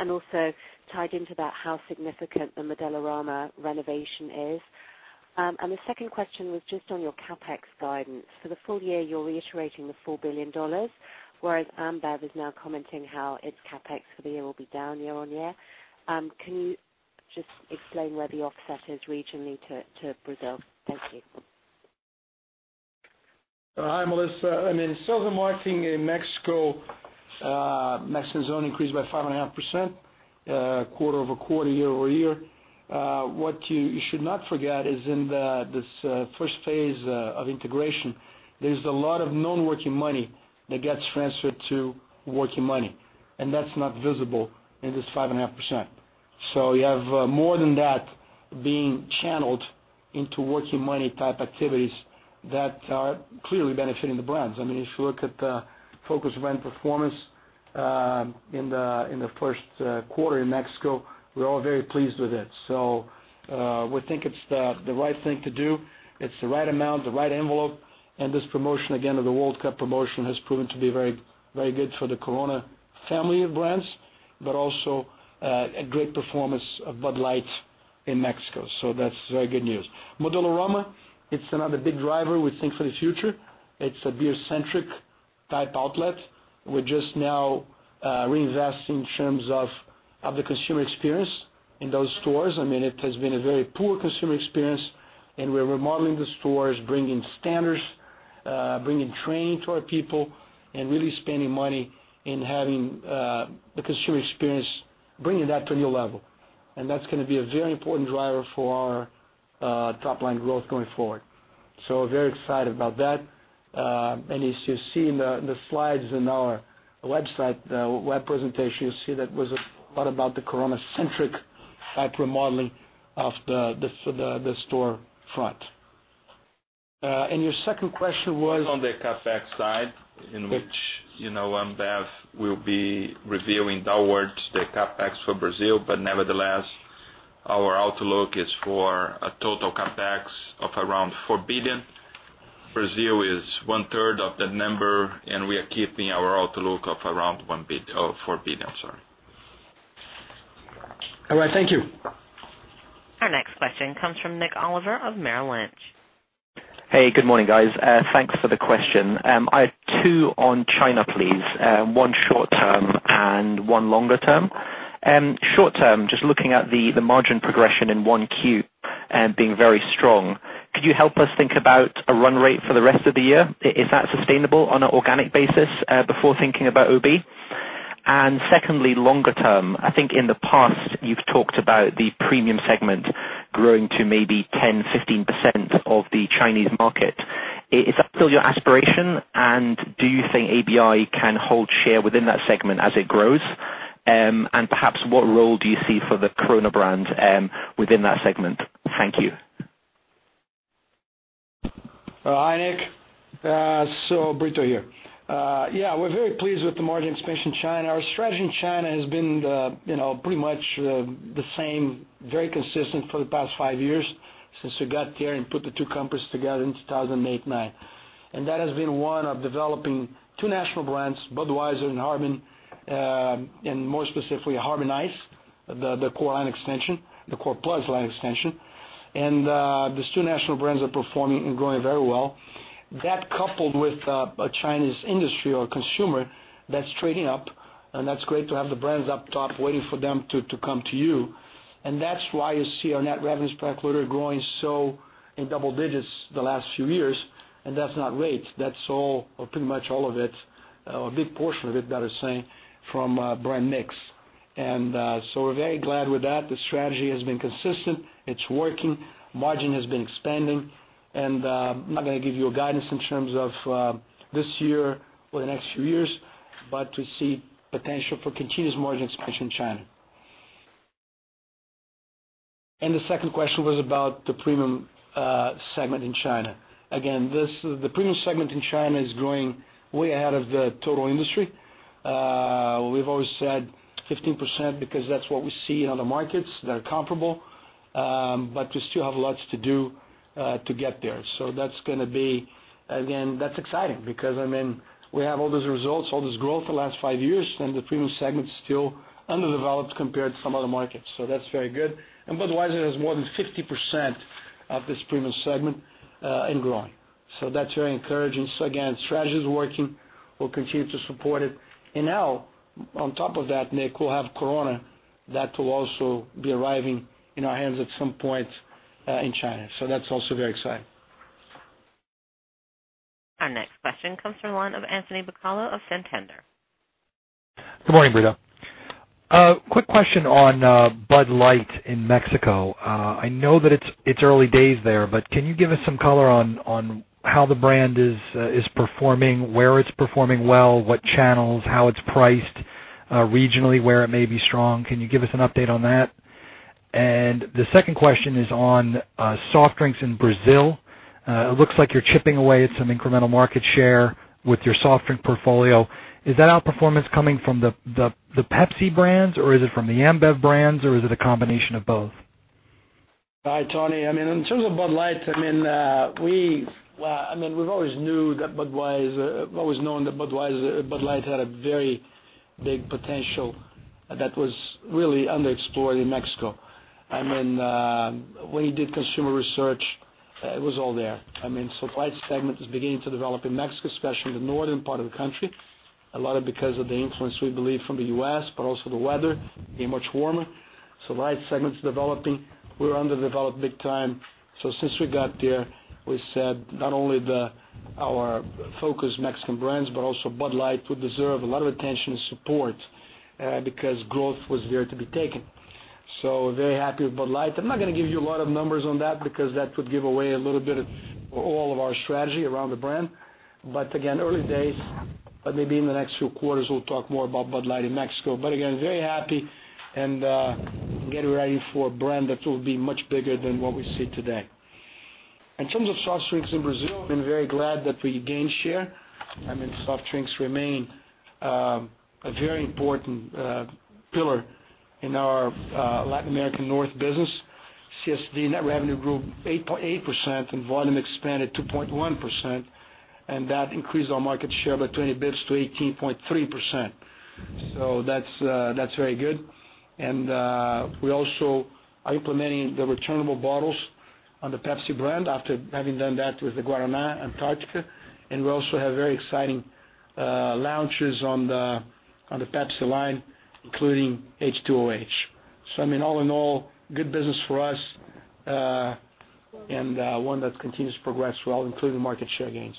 Also tied into that, how significant the Modelorama renovation is. The second question was just on your CapEx guidance. For the full year, you're reiterating the 4 billion dollars, whereas Ambev is now commenting how its CapEx for the year will be down year-on-year. Can you just explain where the offset is regionally to Brazil? Thank you. Hi, Melissa. I mean sales and marketing in Mexico zone increased by 5.5% quarter-over-quarter, year-on-year. What you should not forget is in this first phase of integration, there's a lot of non-working money that gets transferred to working money, and that's not visible in this 5.5%. You have more than that being channeled into working money type activities that are clearly benefiting the brands. If you look at the focus brand performance in the first quarter in Mexico, we're all very pleased with it. We think it's the right thing to do, it's the right amount, the right envelope. This promotion, again, of the FIFA World Cup promotion has proven to be very good for the Corona family of brands, but also a great performance of Bud Light in Mexico, that's very good news. Modelorama, it's another big driver we think for the future. It's a beer-centric type outlet. We're just now reinvesting in terms of the consumer experience in those stores. It has been a very poor consumer experience, we're remodeling the stores, bringing standards, bringing training to our people, and really spending money in having the consumer experience, bringing that to a new level. That's going to be a very important driver for our top-line growth going forward. Very excited about that. As you see in the slides in our website presentation, you'll see that was a lot about the Corona-centric type remodeling of the storefront. Your second question was. On the CapEx side, in which Ambev will be revealing downwards the CapEx for Brazil, but nevertheless, our outlook is for a total CapEx of around $4 billion. Brazil is one-third of that number, and we are keeping our outlook of around $4 billion, I'm sorry. All right. Thank you. Our next question comes from Nik Oliver of Merrill Lynch. Hey, good morning, guys. Thanks for the question. I have two on China, please. One short-term and one longer-term. Short-term, just looking at the margin progression in 1Q, being very strong, could you help us think about a run rate for the rest of the year? Is that sustainable on an organic basis before thinking about OB? Secondly, longer-term, I think in the past, you've talked about the premium segment growing to maybe 10%, 15% of the Chinese market. Is that still your aspiration, and do you think ABI can hold share within that segment as it grows? And perhaps what role do you see for the Corona brand within that segment? Thank you. Hi, Nick. Brito here. We are very pleased with the margin expansion China. Our strategy in China has been pretty much the same, very consistent for the past five years, since we got there and put the two companies together in 2008/2009. That has been one of developing two national brands, Budweiser and Harbin, and more specifically, Harbin Ice, the core line extension, the core plus line extension. These two national brands are performing and growing very well. That coupled with a Chinese industry or consumer that is trading up, and that is great to have the brands up top waiting for them to come to you. That is why you see our net revenues per quarter growing so in double digits the last few years, and that is not rates, that is all or pretty much all of it, a big portion of it, that is saying, from brand mix. We are very glad with that. The strategy has been consistent. It is working. Margin has been expanding, and I am not going to give you a guidance in terms of this year or the next few years, but we see potential for continuous margin expansion in China. The second question was about the premium segment in China. Again, the premium segment in China is growing way ahead of the total industry. We have always said 15% because that is what we see in other markets that are comparable. We still have lots to do to get there. That is going to be, again, that is exciting because we have all these results, all this growth the last five years, and the premium segment is still underdeveloped compared to some other markets. That is very good. Budweiser has more than 50% of this premium segment, and growing. That is very encouraging. Again, strategy is working. We will continue to support it. Now, on top of that, Nik, we will have Corona. That will also be arriving in our hands at some point in China. That is also very exciting. Our next question comes from the line of Anthony Bucalo of Santander. Good morning, Brito. A quick question on Bud Light in Mexico. I know that it's early days there, but can you give us some color on how the brand is performing, where it's performing well, what channels, how it's priced regionally, where it may be strong? Can you give us an update on that? The second question is on soft drinks in Brazil. It looks like you're chipping away at some incremental market share with your soft drink portfolio. Is that outperformance coming from the Pepsi brands, or is it from the InBev brands, or is it a combination of both? Hi, Tony. In terms of Bud Light, we've always known that Bud Light had a very big potential that was really underexplored in Mexico. When we did consumer research, it was all there. Light segment is beginning to develop in Mexico, especially the northern part of the country, a lot of because of the influence, we believe, from the U.S., but also the weather being much warmer. Light segment's developing. We're under-developed big time. Since we got there, we said not only our focus Mexican brands, but also Bud Light would deserve a lot of attention and support, because growth was there to be taken. Very happy with Bud Light. I'm not going to give you a lot of numbers on that because that would give away a little bit of all of our strategy around the brand. Again, early days, but maybe in the next few quarters, we'll talk more about Bud Light in Mexico. Again, very happy and getting ready for a brand that will be much bigger than what we see today. In terms of soft drinks in Brazil, been very glad that we gained share. Soft drinks remain a very important pillar in our Latin American North business. CSD net revenue grew 8.8% and volume expanded 2.1%, and that increased our market share by 20 basis points to 18.3%. That's very good. We also are implementing the returnable bottles on the Pepsi brand after having done that with the Guaraná Antarctica. We also have very exciting launches on the Pepsi line, including H2OH!. I mean, all in all, good business for us, and one that continues to progress well, including market share gains.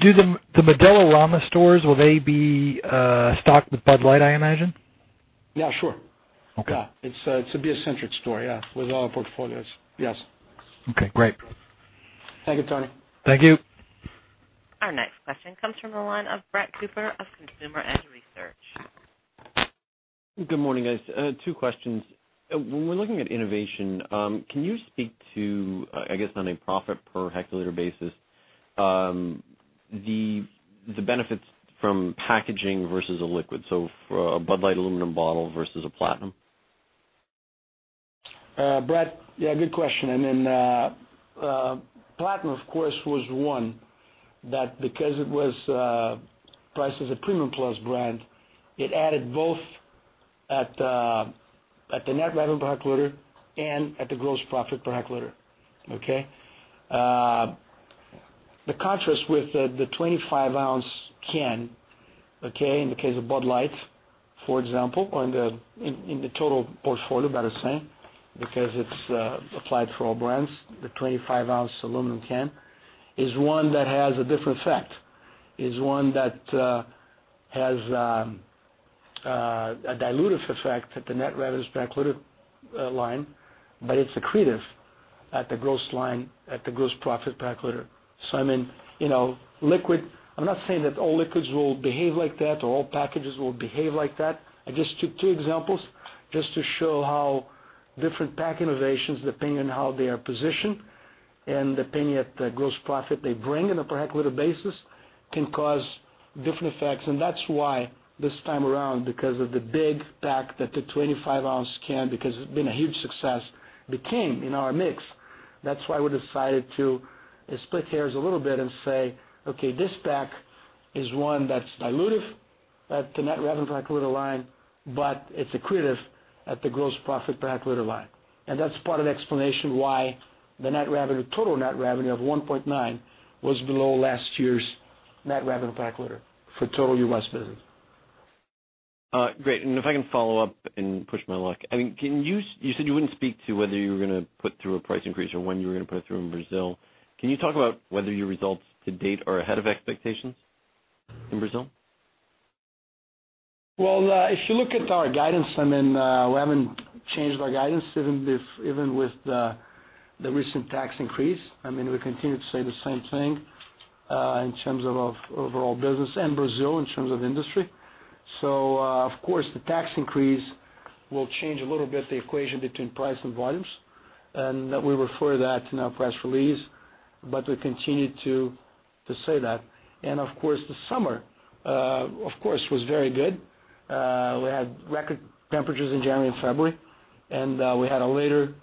Do the Modelorama stores, will they be stocked with Bud Light, I imagine? Yeah, sure. Okay. Yeah. It's a beer-centric store, yeah, with all our portfolios. Yes. Okay, great. Thank you, Tony. Thank you. Our next question comes from the line of Brett Cooper of Consumer Edge Research. Good morning, guys. Two questions. When we're looking at innovation, can you speak to, I guess on a profit per hectoliter basis, the benefits from packaging versus a liquid? So for a Bud Light aluminum bottle versus a Platinum. Brett, yeah, good question. Platinum, of course, was one that because it was priced as a premium plus brand, it added both at the net revenue per hectoliter and at the gross profit per hectoliter. Okay? The contrast with the 25-ounce can, okay, in the case of Bud Light, for example, in the total portfolio, better saying, because it's applied for all brands, the 25-ounce aluminum can, is one that has a different effect, is one that has a dilutive effect at the net revenues per hectoliter line, but it's accretive at the gross profit per hectoliter. I mean, liquid, I'm not saying that all liquids will behave like that or all packages will behave like that. I just took two examples just to show how different pack innovations, depending on how they are positioned and depending at the gross profit they bring on a per hectoliter basis, can cause different effects. That's why this time around, because of the big pack that the 25-ounce can, because it's been a huge success, became in our mix. That's why we decided to split hairs a little bit and say, "Okay, this pack is one that's dilutive at the net revenue per hectoliter line, but it's accretive at the gross profit per hectoliter line." That's part of the explanation why the total net revenue of $1.9 was below last year's net revenue per hectoliter for total U.S. business. Great. If I can follow up and push my luck. You said you wouldn't speak to whether you were going to put through a price increase or when you were going to put it through in Brazil. Can you talk about whether your results to date are ahead of expectations in Brazil? Well, if you look at our guidance, we haven't changed our guidance even with the recent tax increase. We continue to say the same thing, in terms of overall business and Brazil in terms of industry. Of course, the tax increase will change a little bit the equation between price and volumes, and we refer that in our press release, but we continue to say that. Of course, the summer was very good. We had record temperatures in January and February, and we had a later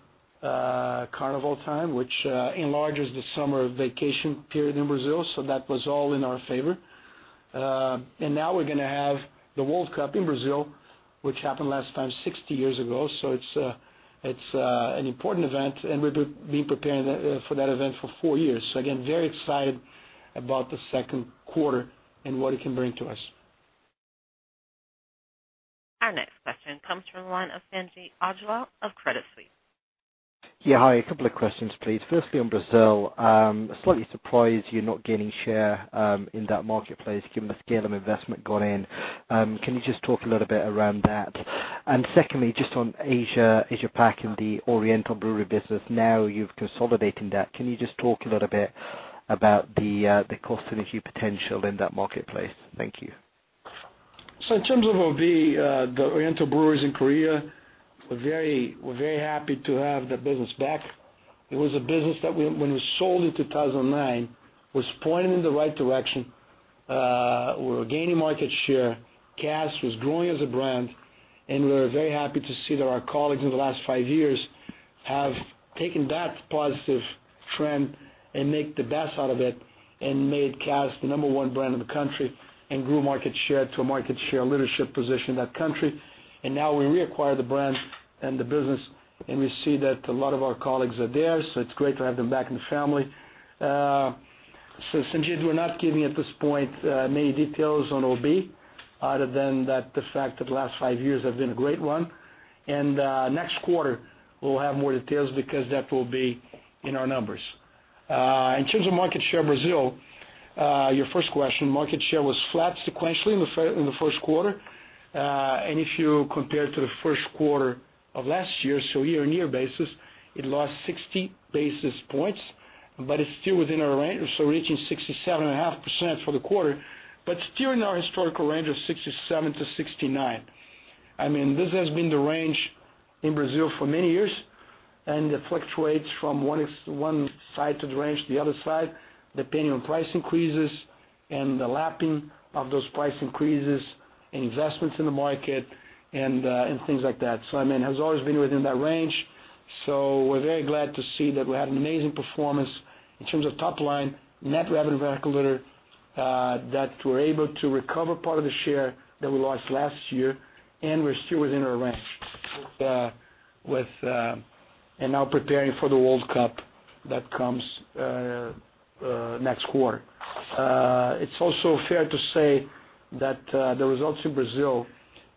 Carnival time, which enlarges the summer vacation period in Brazil, so that was all in our favor. Now we're going to have the FIFA World Cup in Brazil, which happened last time 60 years ago. It's an important event, and we've been preparing for that event for four years. Again, very excited about the second quarter and what it can bring to us. Our next question comes from the line of Sanjeet Aujla of Credit Suisse. Yeah. Hi. A couple of questions, please. Firstly, on Brazil, slightly surprised you're not gaining share in that marketplace given the scale of investment gone in. Can you just talk a little bit around that? Secondly, just on Asia Pac and the Oriental Brewery business, now you've consolidated that. Can you just talk a little bit about the cost synergy potential in that marketplace? Thank you. In terms of OB, the Oriental Brewery in Korea, we're very happy to have that business back. It was a business that when we sold in 2009, was pointing in the right direction. We were gaining market share. Cass was growing as a brand, and we're very happy to see that our colleagues in the last five years have taken that positive trend and make the best out of it and made Cass the number one brand in the country and grew market share to a market share leadership position in that country. Now we reacquire the brand and the business, and we see that a lot of our colleagues are there, so it's great to have them back in the family. Since we're not giving at this point many details on OB, other than the fact that the last five years have been a great one. Next quarter we'll have more details because that will be in our numbers. In terms of market share Brazil, your first question, market share was flat sequentially in the first quarter. If you compare to the first quarter of last year-on-year basis, it lost 60 basis points, but it's still within our range. Reaching 67.5% for the quarter, but still in our historical range of 67%-69%. This has been the range in Brazil for many years, and it fluctuates from one side the range to the other side, depending on price increases and the lapping of those price increases and investments in the market and things like that. It has always been within that range, we're very glad to see that we had an amazing performance in terms of top line net revenue per hectoliter, that we're able to recover part of the share that we lost last year, and we're still within our range. Now preparing for the FIFA World Cup that comes next quarter. It's also fair to say that the results in Brazil,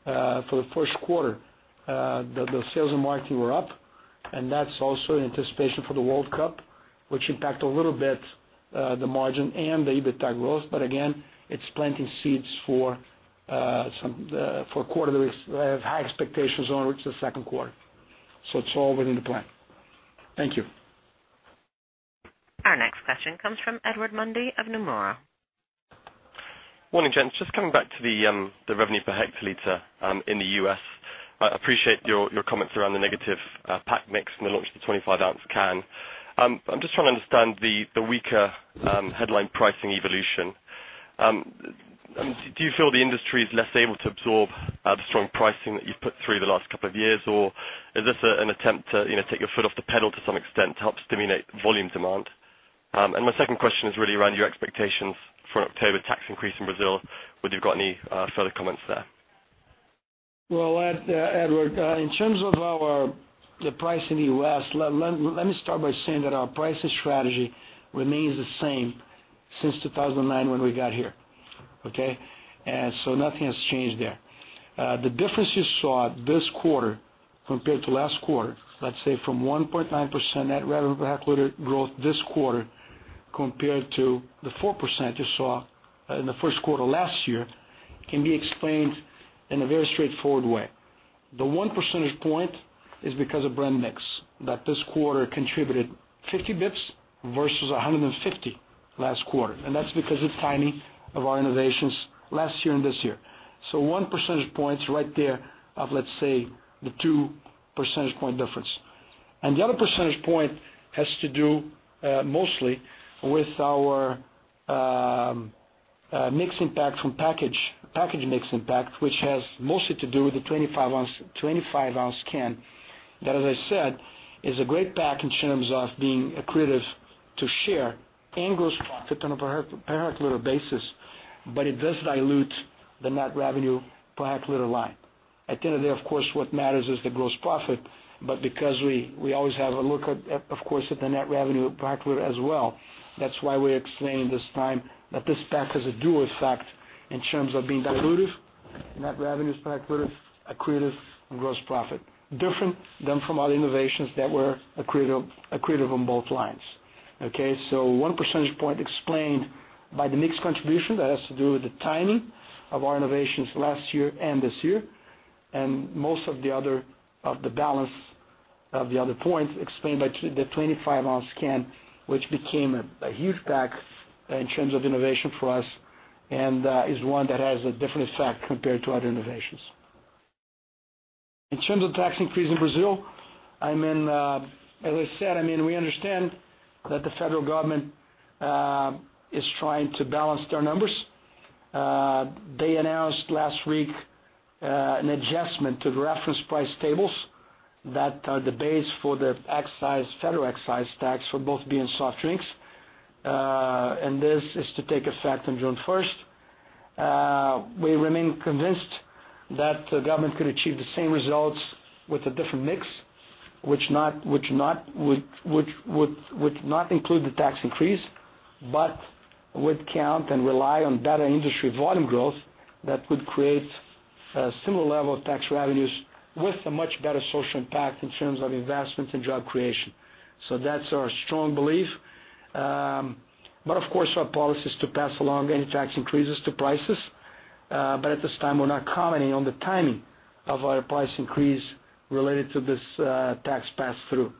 for the first quarter, the sales and marketing were up, and that's also in anticipation for the FIFA World Cup, which impacted a little bit the margin and the EBITDA growth. Again, it's planting seeds for a quarter that we have high expectations on, which is the second quarter. It's all within the plan. Thank you. Our next question comes from Edward Mundy of Nomura. Morning, gents. Just coming back to the revenue per hectoliter in the U.S. I appreciate your comments around the negative pack mix and the launch of the 25-ounce can. I'm just trying to understand the weaker headline pricing evolution. Do you feel the industry is less able to absorb the strong pricing that you've put through the last couple of years? Or is this an attempt to take your foot off the pedal to some extent to help stimulate volume demand? My second question is really around your expectations for an October tax increase in Brazil. Would you got any further comments there? Edward, in terms of the price in the U.S., let me start by saying that our pricing strategy remains the same since 2009 when we got here. Okay. Nothing has changed there. The difference you saw this quarter compared to last quarter, let's say from 1.9% net revenue per hectoliter growth this quarter compared to the 4% you saw in the first quarter last year, can be explained in a very straightforward way. The one percentage point is because of brand mix, that this quarter contributed 50 bps versus 150 last quarter, and that's because of the timing of our innovations last year and this year. One percentage point right there of, let's say, the two percentage point difference. The other percentage point has to do mostly with our mix impact from package mix impact, which has mostly to do with the 25-ounce can. That, as I said, is a great pack in terms of being accretive to share and gross profit on a per hectoliter basis. It does dilute the net revenue per hectoliter line. At the end of the day, of course, what matters is the gross profit. Because we always have a look at, of course, the net revenue per hectoliter as well, that's why we're explaining this time that this pack has a dual effect in terms of being dilutive, net revenue per hectoliter, accretive on gross profit. Different than from other innovations that were accretive on both lines. Okay. One percentage point explained by the mix contribution that has to do with the timing of our innovations last year and this year. Most of the balance of the other points explained by the 25-ounce can, which became a huge pack in terms of innovation for us, and is one that has a different effect compared to other innovations. In terms of tax increase in Brazil, as I said, we understand that the federal government is trying to balance their numbers. They announced last week an adjustment to the reference price tables that are the base for the federal excise tax for both beer and soft drinks. This is to take effect on June 1st. We remain convinced that the government could achieve the same results with a different mix, which would not include the tax increase, but would count and rely on better industry volume growth that would create a similar level of tax revenues with a much better social impact in terms of investments and job creation. That's our strong belief. Of course, our policy is to pass along any tax increases to prices. At this time, we're not commenting on the timing of our price increase related to this tax pass-through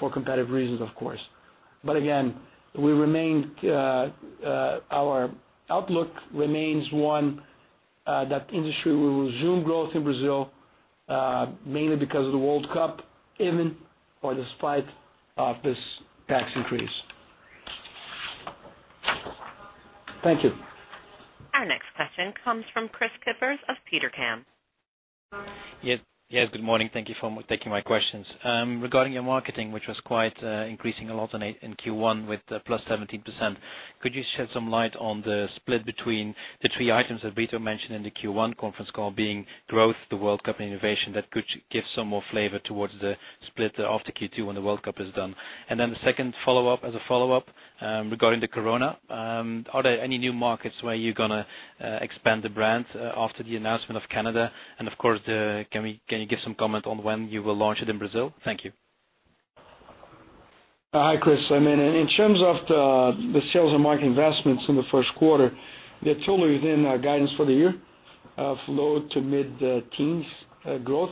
for competitive reasons, of course. Again, our outlook remains one that industry will resume growth in Brazil, mainly because of the World Cup, even or despite of this tax increase. Thank you. Our next question comes from Kris Kippers of Petercam. Yes, good morning. Thank you for taking my questions. Regarding your marketing, which was increasing a lot in Q1 with +17%, could you shed some light on the split between the three items that Brito mentioned in the Q1 conference call, being growth, the World Cup, and innovation that could give some more flavor towards the split after Q2 when the World Cup is done? The second follow-up, as a follow-up regarding the Corona, are there any new markets where you're going to expand the brand after the announcement of Canada? Of course, can you give some comment on when you will launch it in Brazil? Thank you. Hi, Kris. In terms of the sales and marketing investments in the first quarter, they're totally within our guidance for the year of low- to mid-teens growth.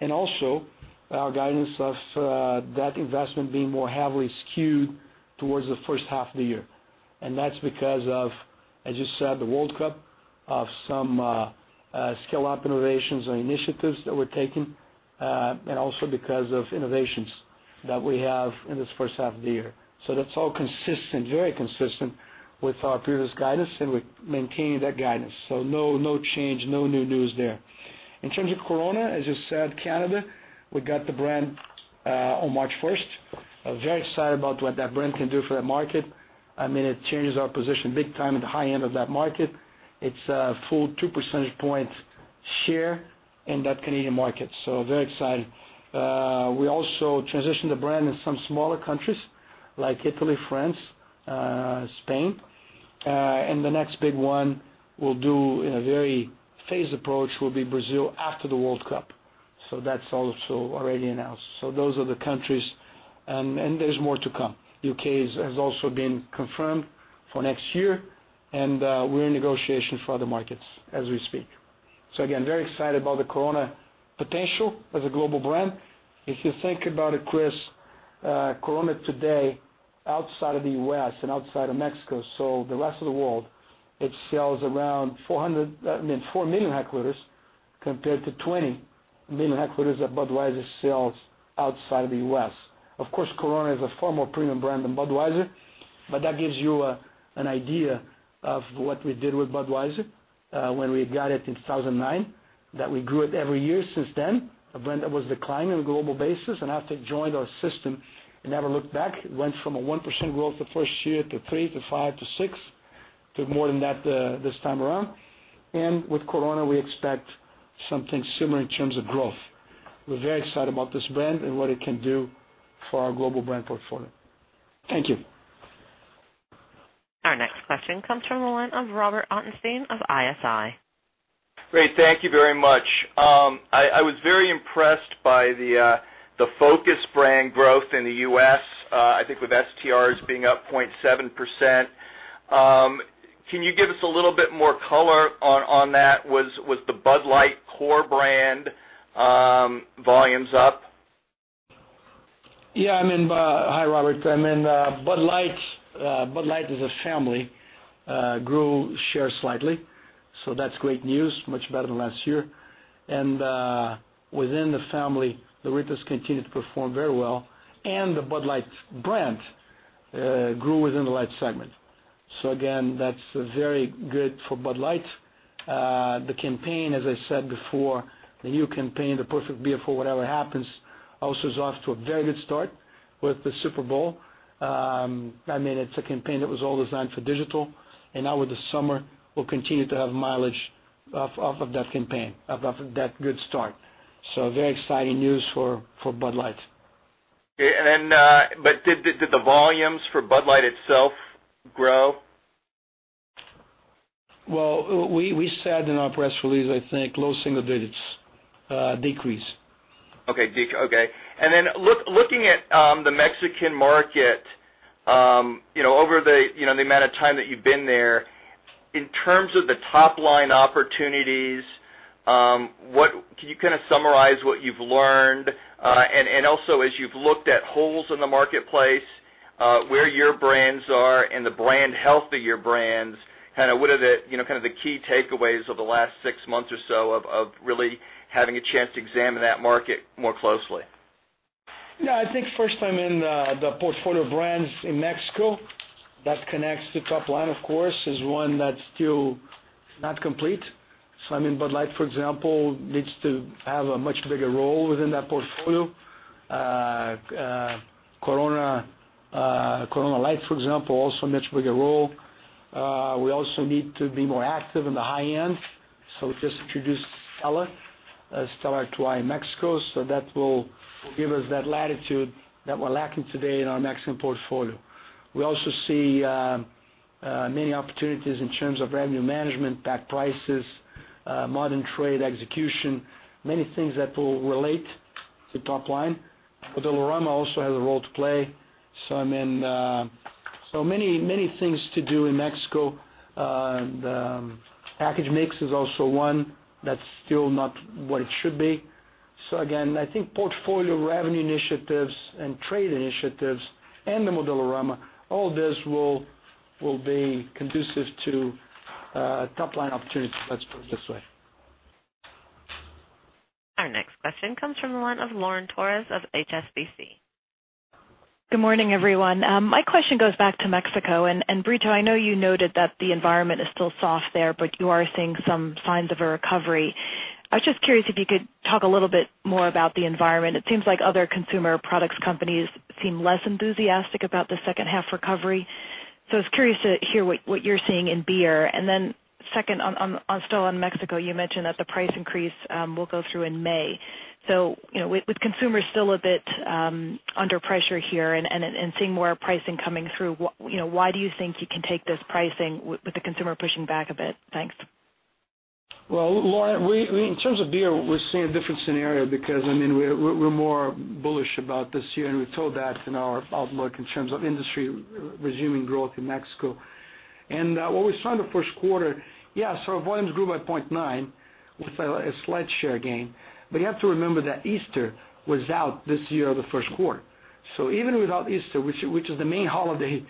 Also, our guidance of that investment being more heavily skewed towards the first half of the year. That's because of, as you said, the World Cup, of some scale-up innovations and initiatives that we're taking, and also because of innovations that we have in this first half of the year. That's all very consistent with our previous guidance, and we're maintaining that guidance. No change, no new news there. In terms of Corona, as you said, Canada, we got the brand on March 1st. Very excited about what that brand can do for that market. It changes our position big time at the high end of that market. It's a full two percentage points share in that Canadian market, so very exciting. We also transitioned the brand in some smaller countries like Italy, France, Spain. The next big one we'll do in a very phased approach will be Brazil after the World Cup. That's also already announced. Those are the countries, and there's more to come. U.K. has also been confirmed for next year, and we're in negotiation for other markets as we speak. Again, very excited about the Corona potential as a global brand. If you think about it, Chris, Corona today, outside of the U.S. and outside of Mexico, so the rest of the world, it sells around four million hectoliters compared to 20 million hectoliters that Budweiser sells outside of the U.S. Corona is a far more premium brand than Budweiser, but that gives you an idea of what we did with Budweiser when we got it in 2009, that we grew it every year since then. A brand that was declining on a global basis, and after it joined our system, it never looked back. It went from a 1% growth the first year to 3% to 5% to 6%, to more than that this time around. With Corona, we expect something similar in terms of growth. We're very excited about this brand and what it can do for our global brand portfolio. Thank you. Our next question comes from the line of Robert Ottenstein of ISI. Great. Thank you very much. I was very impressed by the focus brand growth in the U.S., I think with STRs being up 0.7%. Can you give us a little bit more color on that? Was the Bud Light core brand volumes up? Yeah. Hi, Robert. Bud Light as a family grew share slightly. That's great news, much better than last year. Within the family, the Ritas continued to perform very well, and the Bud Light brand grew within the light segment. Again, that's very good for Bud Light. The campaign, as I said before, the new campaign, The Perfect Beer for Whatever Happens, also is off to a very good start with the Super Bowl. It's a campaign that was all designed for digital. Now with the summer, we'll continue to have mileage off of that campaign, off of that good start. Very exciting news for Bud Light. Okay. Did the volumes for Bud Light itself grow? Well, we said in our press release, I think low single digits decrease. Okay. Then looking at the Mexican market, over the amount of time that you've been there, in terms of the top-line opportunities, can you kind of summarize what you've learned? Also, as you've looked at holes in the marketplace, where your brands are and the brand health of your brands, what are the kind of the key takeaways of the last six months or so of really having a chance to examine that market more closely? I think first time in the portfolio brands in Mexico, that connects to top-line, of course, is one that's still not complete. Bud Light, for example, needs to have a much bigger role within that portfolio. Corona Light, for example, also needs a bigger role. We also need to be more active in the high end. We just introduced Stella Artois in Mexico. That will give us that latitude that we're lacking today in our Mexican portfolio. We also see many opportunities in terms of revenue management, pack prices, modern trade execution, many things that will relate to top-line. Modelorama also has a role to play. Many things to do in Mexico. The package mix is also one that's still not what it should be. Again, I think portfolio revenue initiatives and trade initiatives and the Modelorama, all this will be conducive to top-line opportunities, let's put it this way. Our next question comes from the line of Lauren Torres of HSBC. Good morning, everyone. My question goes back to Mexico. Brito, I know you noted that the environment is still soft there, but you are seeing some signs of a recovery. I was just curious if you could talk a little bit more about the environment. It seems like other consumer products companies seem less enthusiastic about the second half recovery. I was curious to hear what you're seeing in beer. Second, still on Mexico, you mentioned that the price increase will go through in May. With consumers still a bit under pressure here and seeing more pricing coming through, why do you think you can take this pricing with the consumer pushing back a bit? Thanks. Well, Lauren, in terms of beer, we're seeing a different scenario because we're more bullish about this year, and we've told that in our outlook in terms of industry resuming growth in Mexico. What we saw in the first quarter, yes, our volumes grew by 0.9 with a slight share gain. You have to remember that Easter was out this year, the first quarter. Even without Easter, which is the main holiday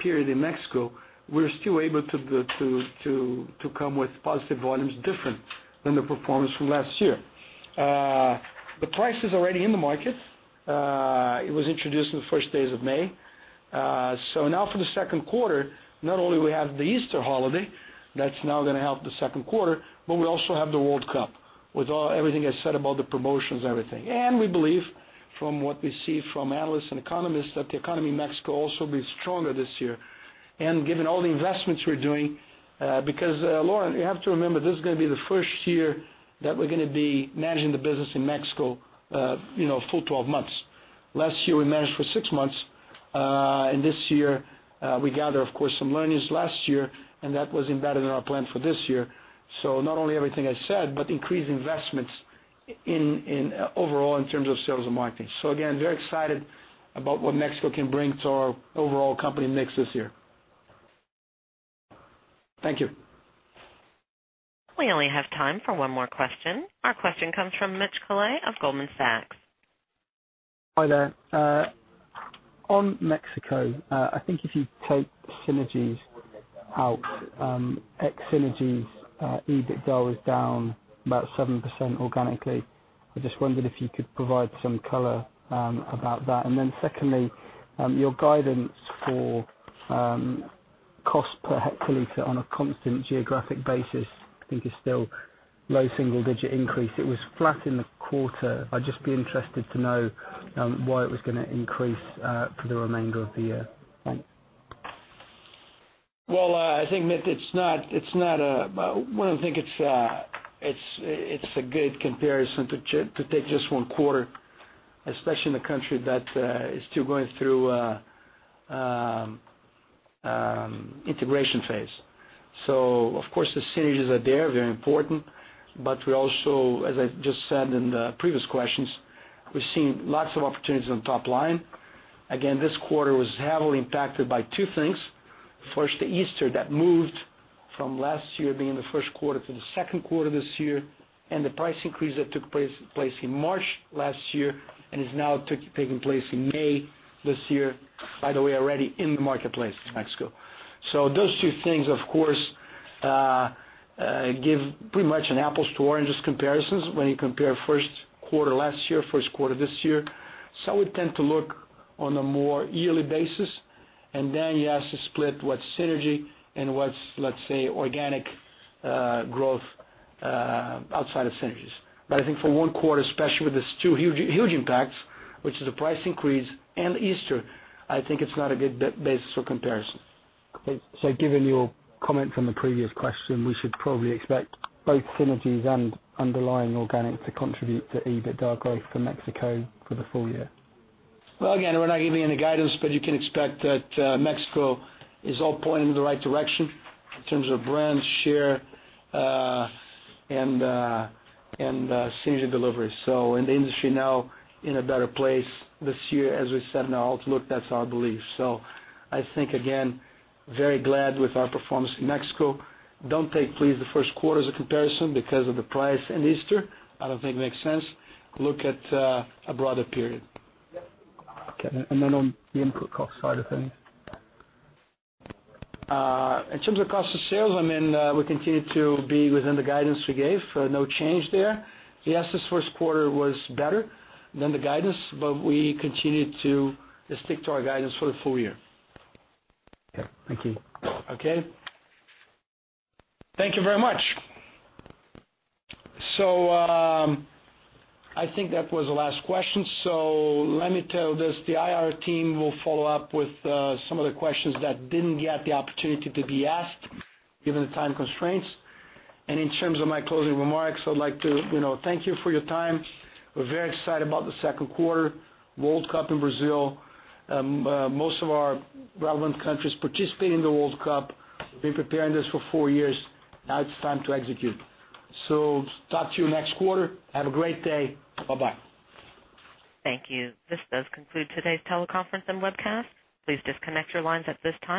period in Mexico, we're still able to come with positive volumes different than the performance from last year. The price is already in the market. It was introduced in the first days of May. Now for the second quarter, not only we have the Easter holiday, that's now going to help the second quarter, but we also have the World Cup with everything I said about the promotions and everything. We believe, from what we see from analysts and economists, that the economy in Mexico also will be stronger this year. Given all the investments we're doing, because, Lauren, you have to remember, this is going to be the first year that we're going to be managing the business in Mexico a full 12 months. Last year, we managed for six months. This year, we gather, of course, some learnings last year, and that was embedded in our plan for this year. Not only everything I said, but increased investments overall in terms of sales and marketing. Again, very excited about what Mexico can bring to our overall company mix this year. Thank you. We only have time for one more question. Our question comes from Mitch Collett of Goldman Sachs. Hi there. On Mexico, I think if you take synergies out, ex-synergies, EBITDA is down about 7% organically. I just wondered if you could provide some color about that. Then secondly, your guidance for cost per hectoliter on a constant geographic basis, I think is still low single-digit increase. It was flat in the quarter. I'd just be interested to know why it was going to increase for the remainder of the year. Thanks. Well, I think, Mitch, one, I think it's a good comparison to take just one quarter, especially in a country that is still going through integration phase. Of course, the synergies are there, very important. We also, as I just said in the previous questions, we're seeing lots of opportunities on top line. Again, this quarter was heavily impacted by two things. First, the Easter that moved from last year being in the first quarter to the second quarter this year, and the price increase that took place in March last year and is now taking place in May this year, by the way, already in the marketplace in Mexico. Those two things, of course, give pretty much an apples to oranges comparisons when you compare first quarter last year, first quarter this year. We tend to look on a more yearly basis, and then you ask to split what's synergy and what's, let's say, organic growth outside of synergies. I think for one quarter, especially with these two huge impacts, which is the price increase and Easter, I think it's not a good basis for comparison. Given your comment from the previous question, we should probably expect both synergies and underlying organic to contribute to EBITDA growth for Mexico for the full year. Well, again, we're not giving any guidance, but you can expect that Mexico is all pointing in the right direction in terms of brand share and synergy delivery. In the industry now in a better place this year, as we said in our outlook, that's our belief. I think, again, very glad with our performance in Mexico. Don't take please the first quarter as a comparison because of the price and Easter. I don't think it makes sense. Look at a broader period. Okay. Then on the input cost side of things. In terms of cost of sales, we continue to be within the guidance we gave. No change there. Yes, the first quarter was better than the guidance, but we continue to stick to our guidance for the full year. Okay. Thank you. Okay. Thank you very much. I think that was the last question. Let me tell this, the IR team will follow up with some of the questions that didn't get the opportunity to be asked, given the time constraints. In terms of my closing remarks, I'd like to thank you for your time. We're very excited about the second quarter World Cup in Brazil. Most of our relevant countries participate in the World Cup. We've been preparing this for four years. Now it's time to execute. Talk to you next quarter. Have a great day. Bye-bye. Thank you. This does conclude today's teleconference and webcast. Please disconnect your lines at this time.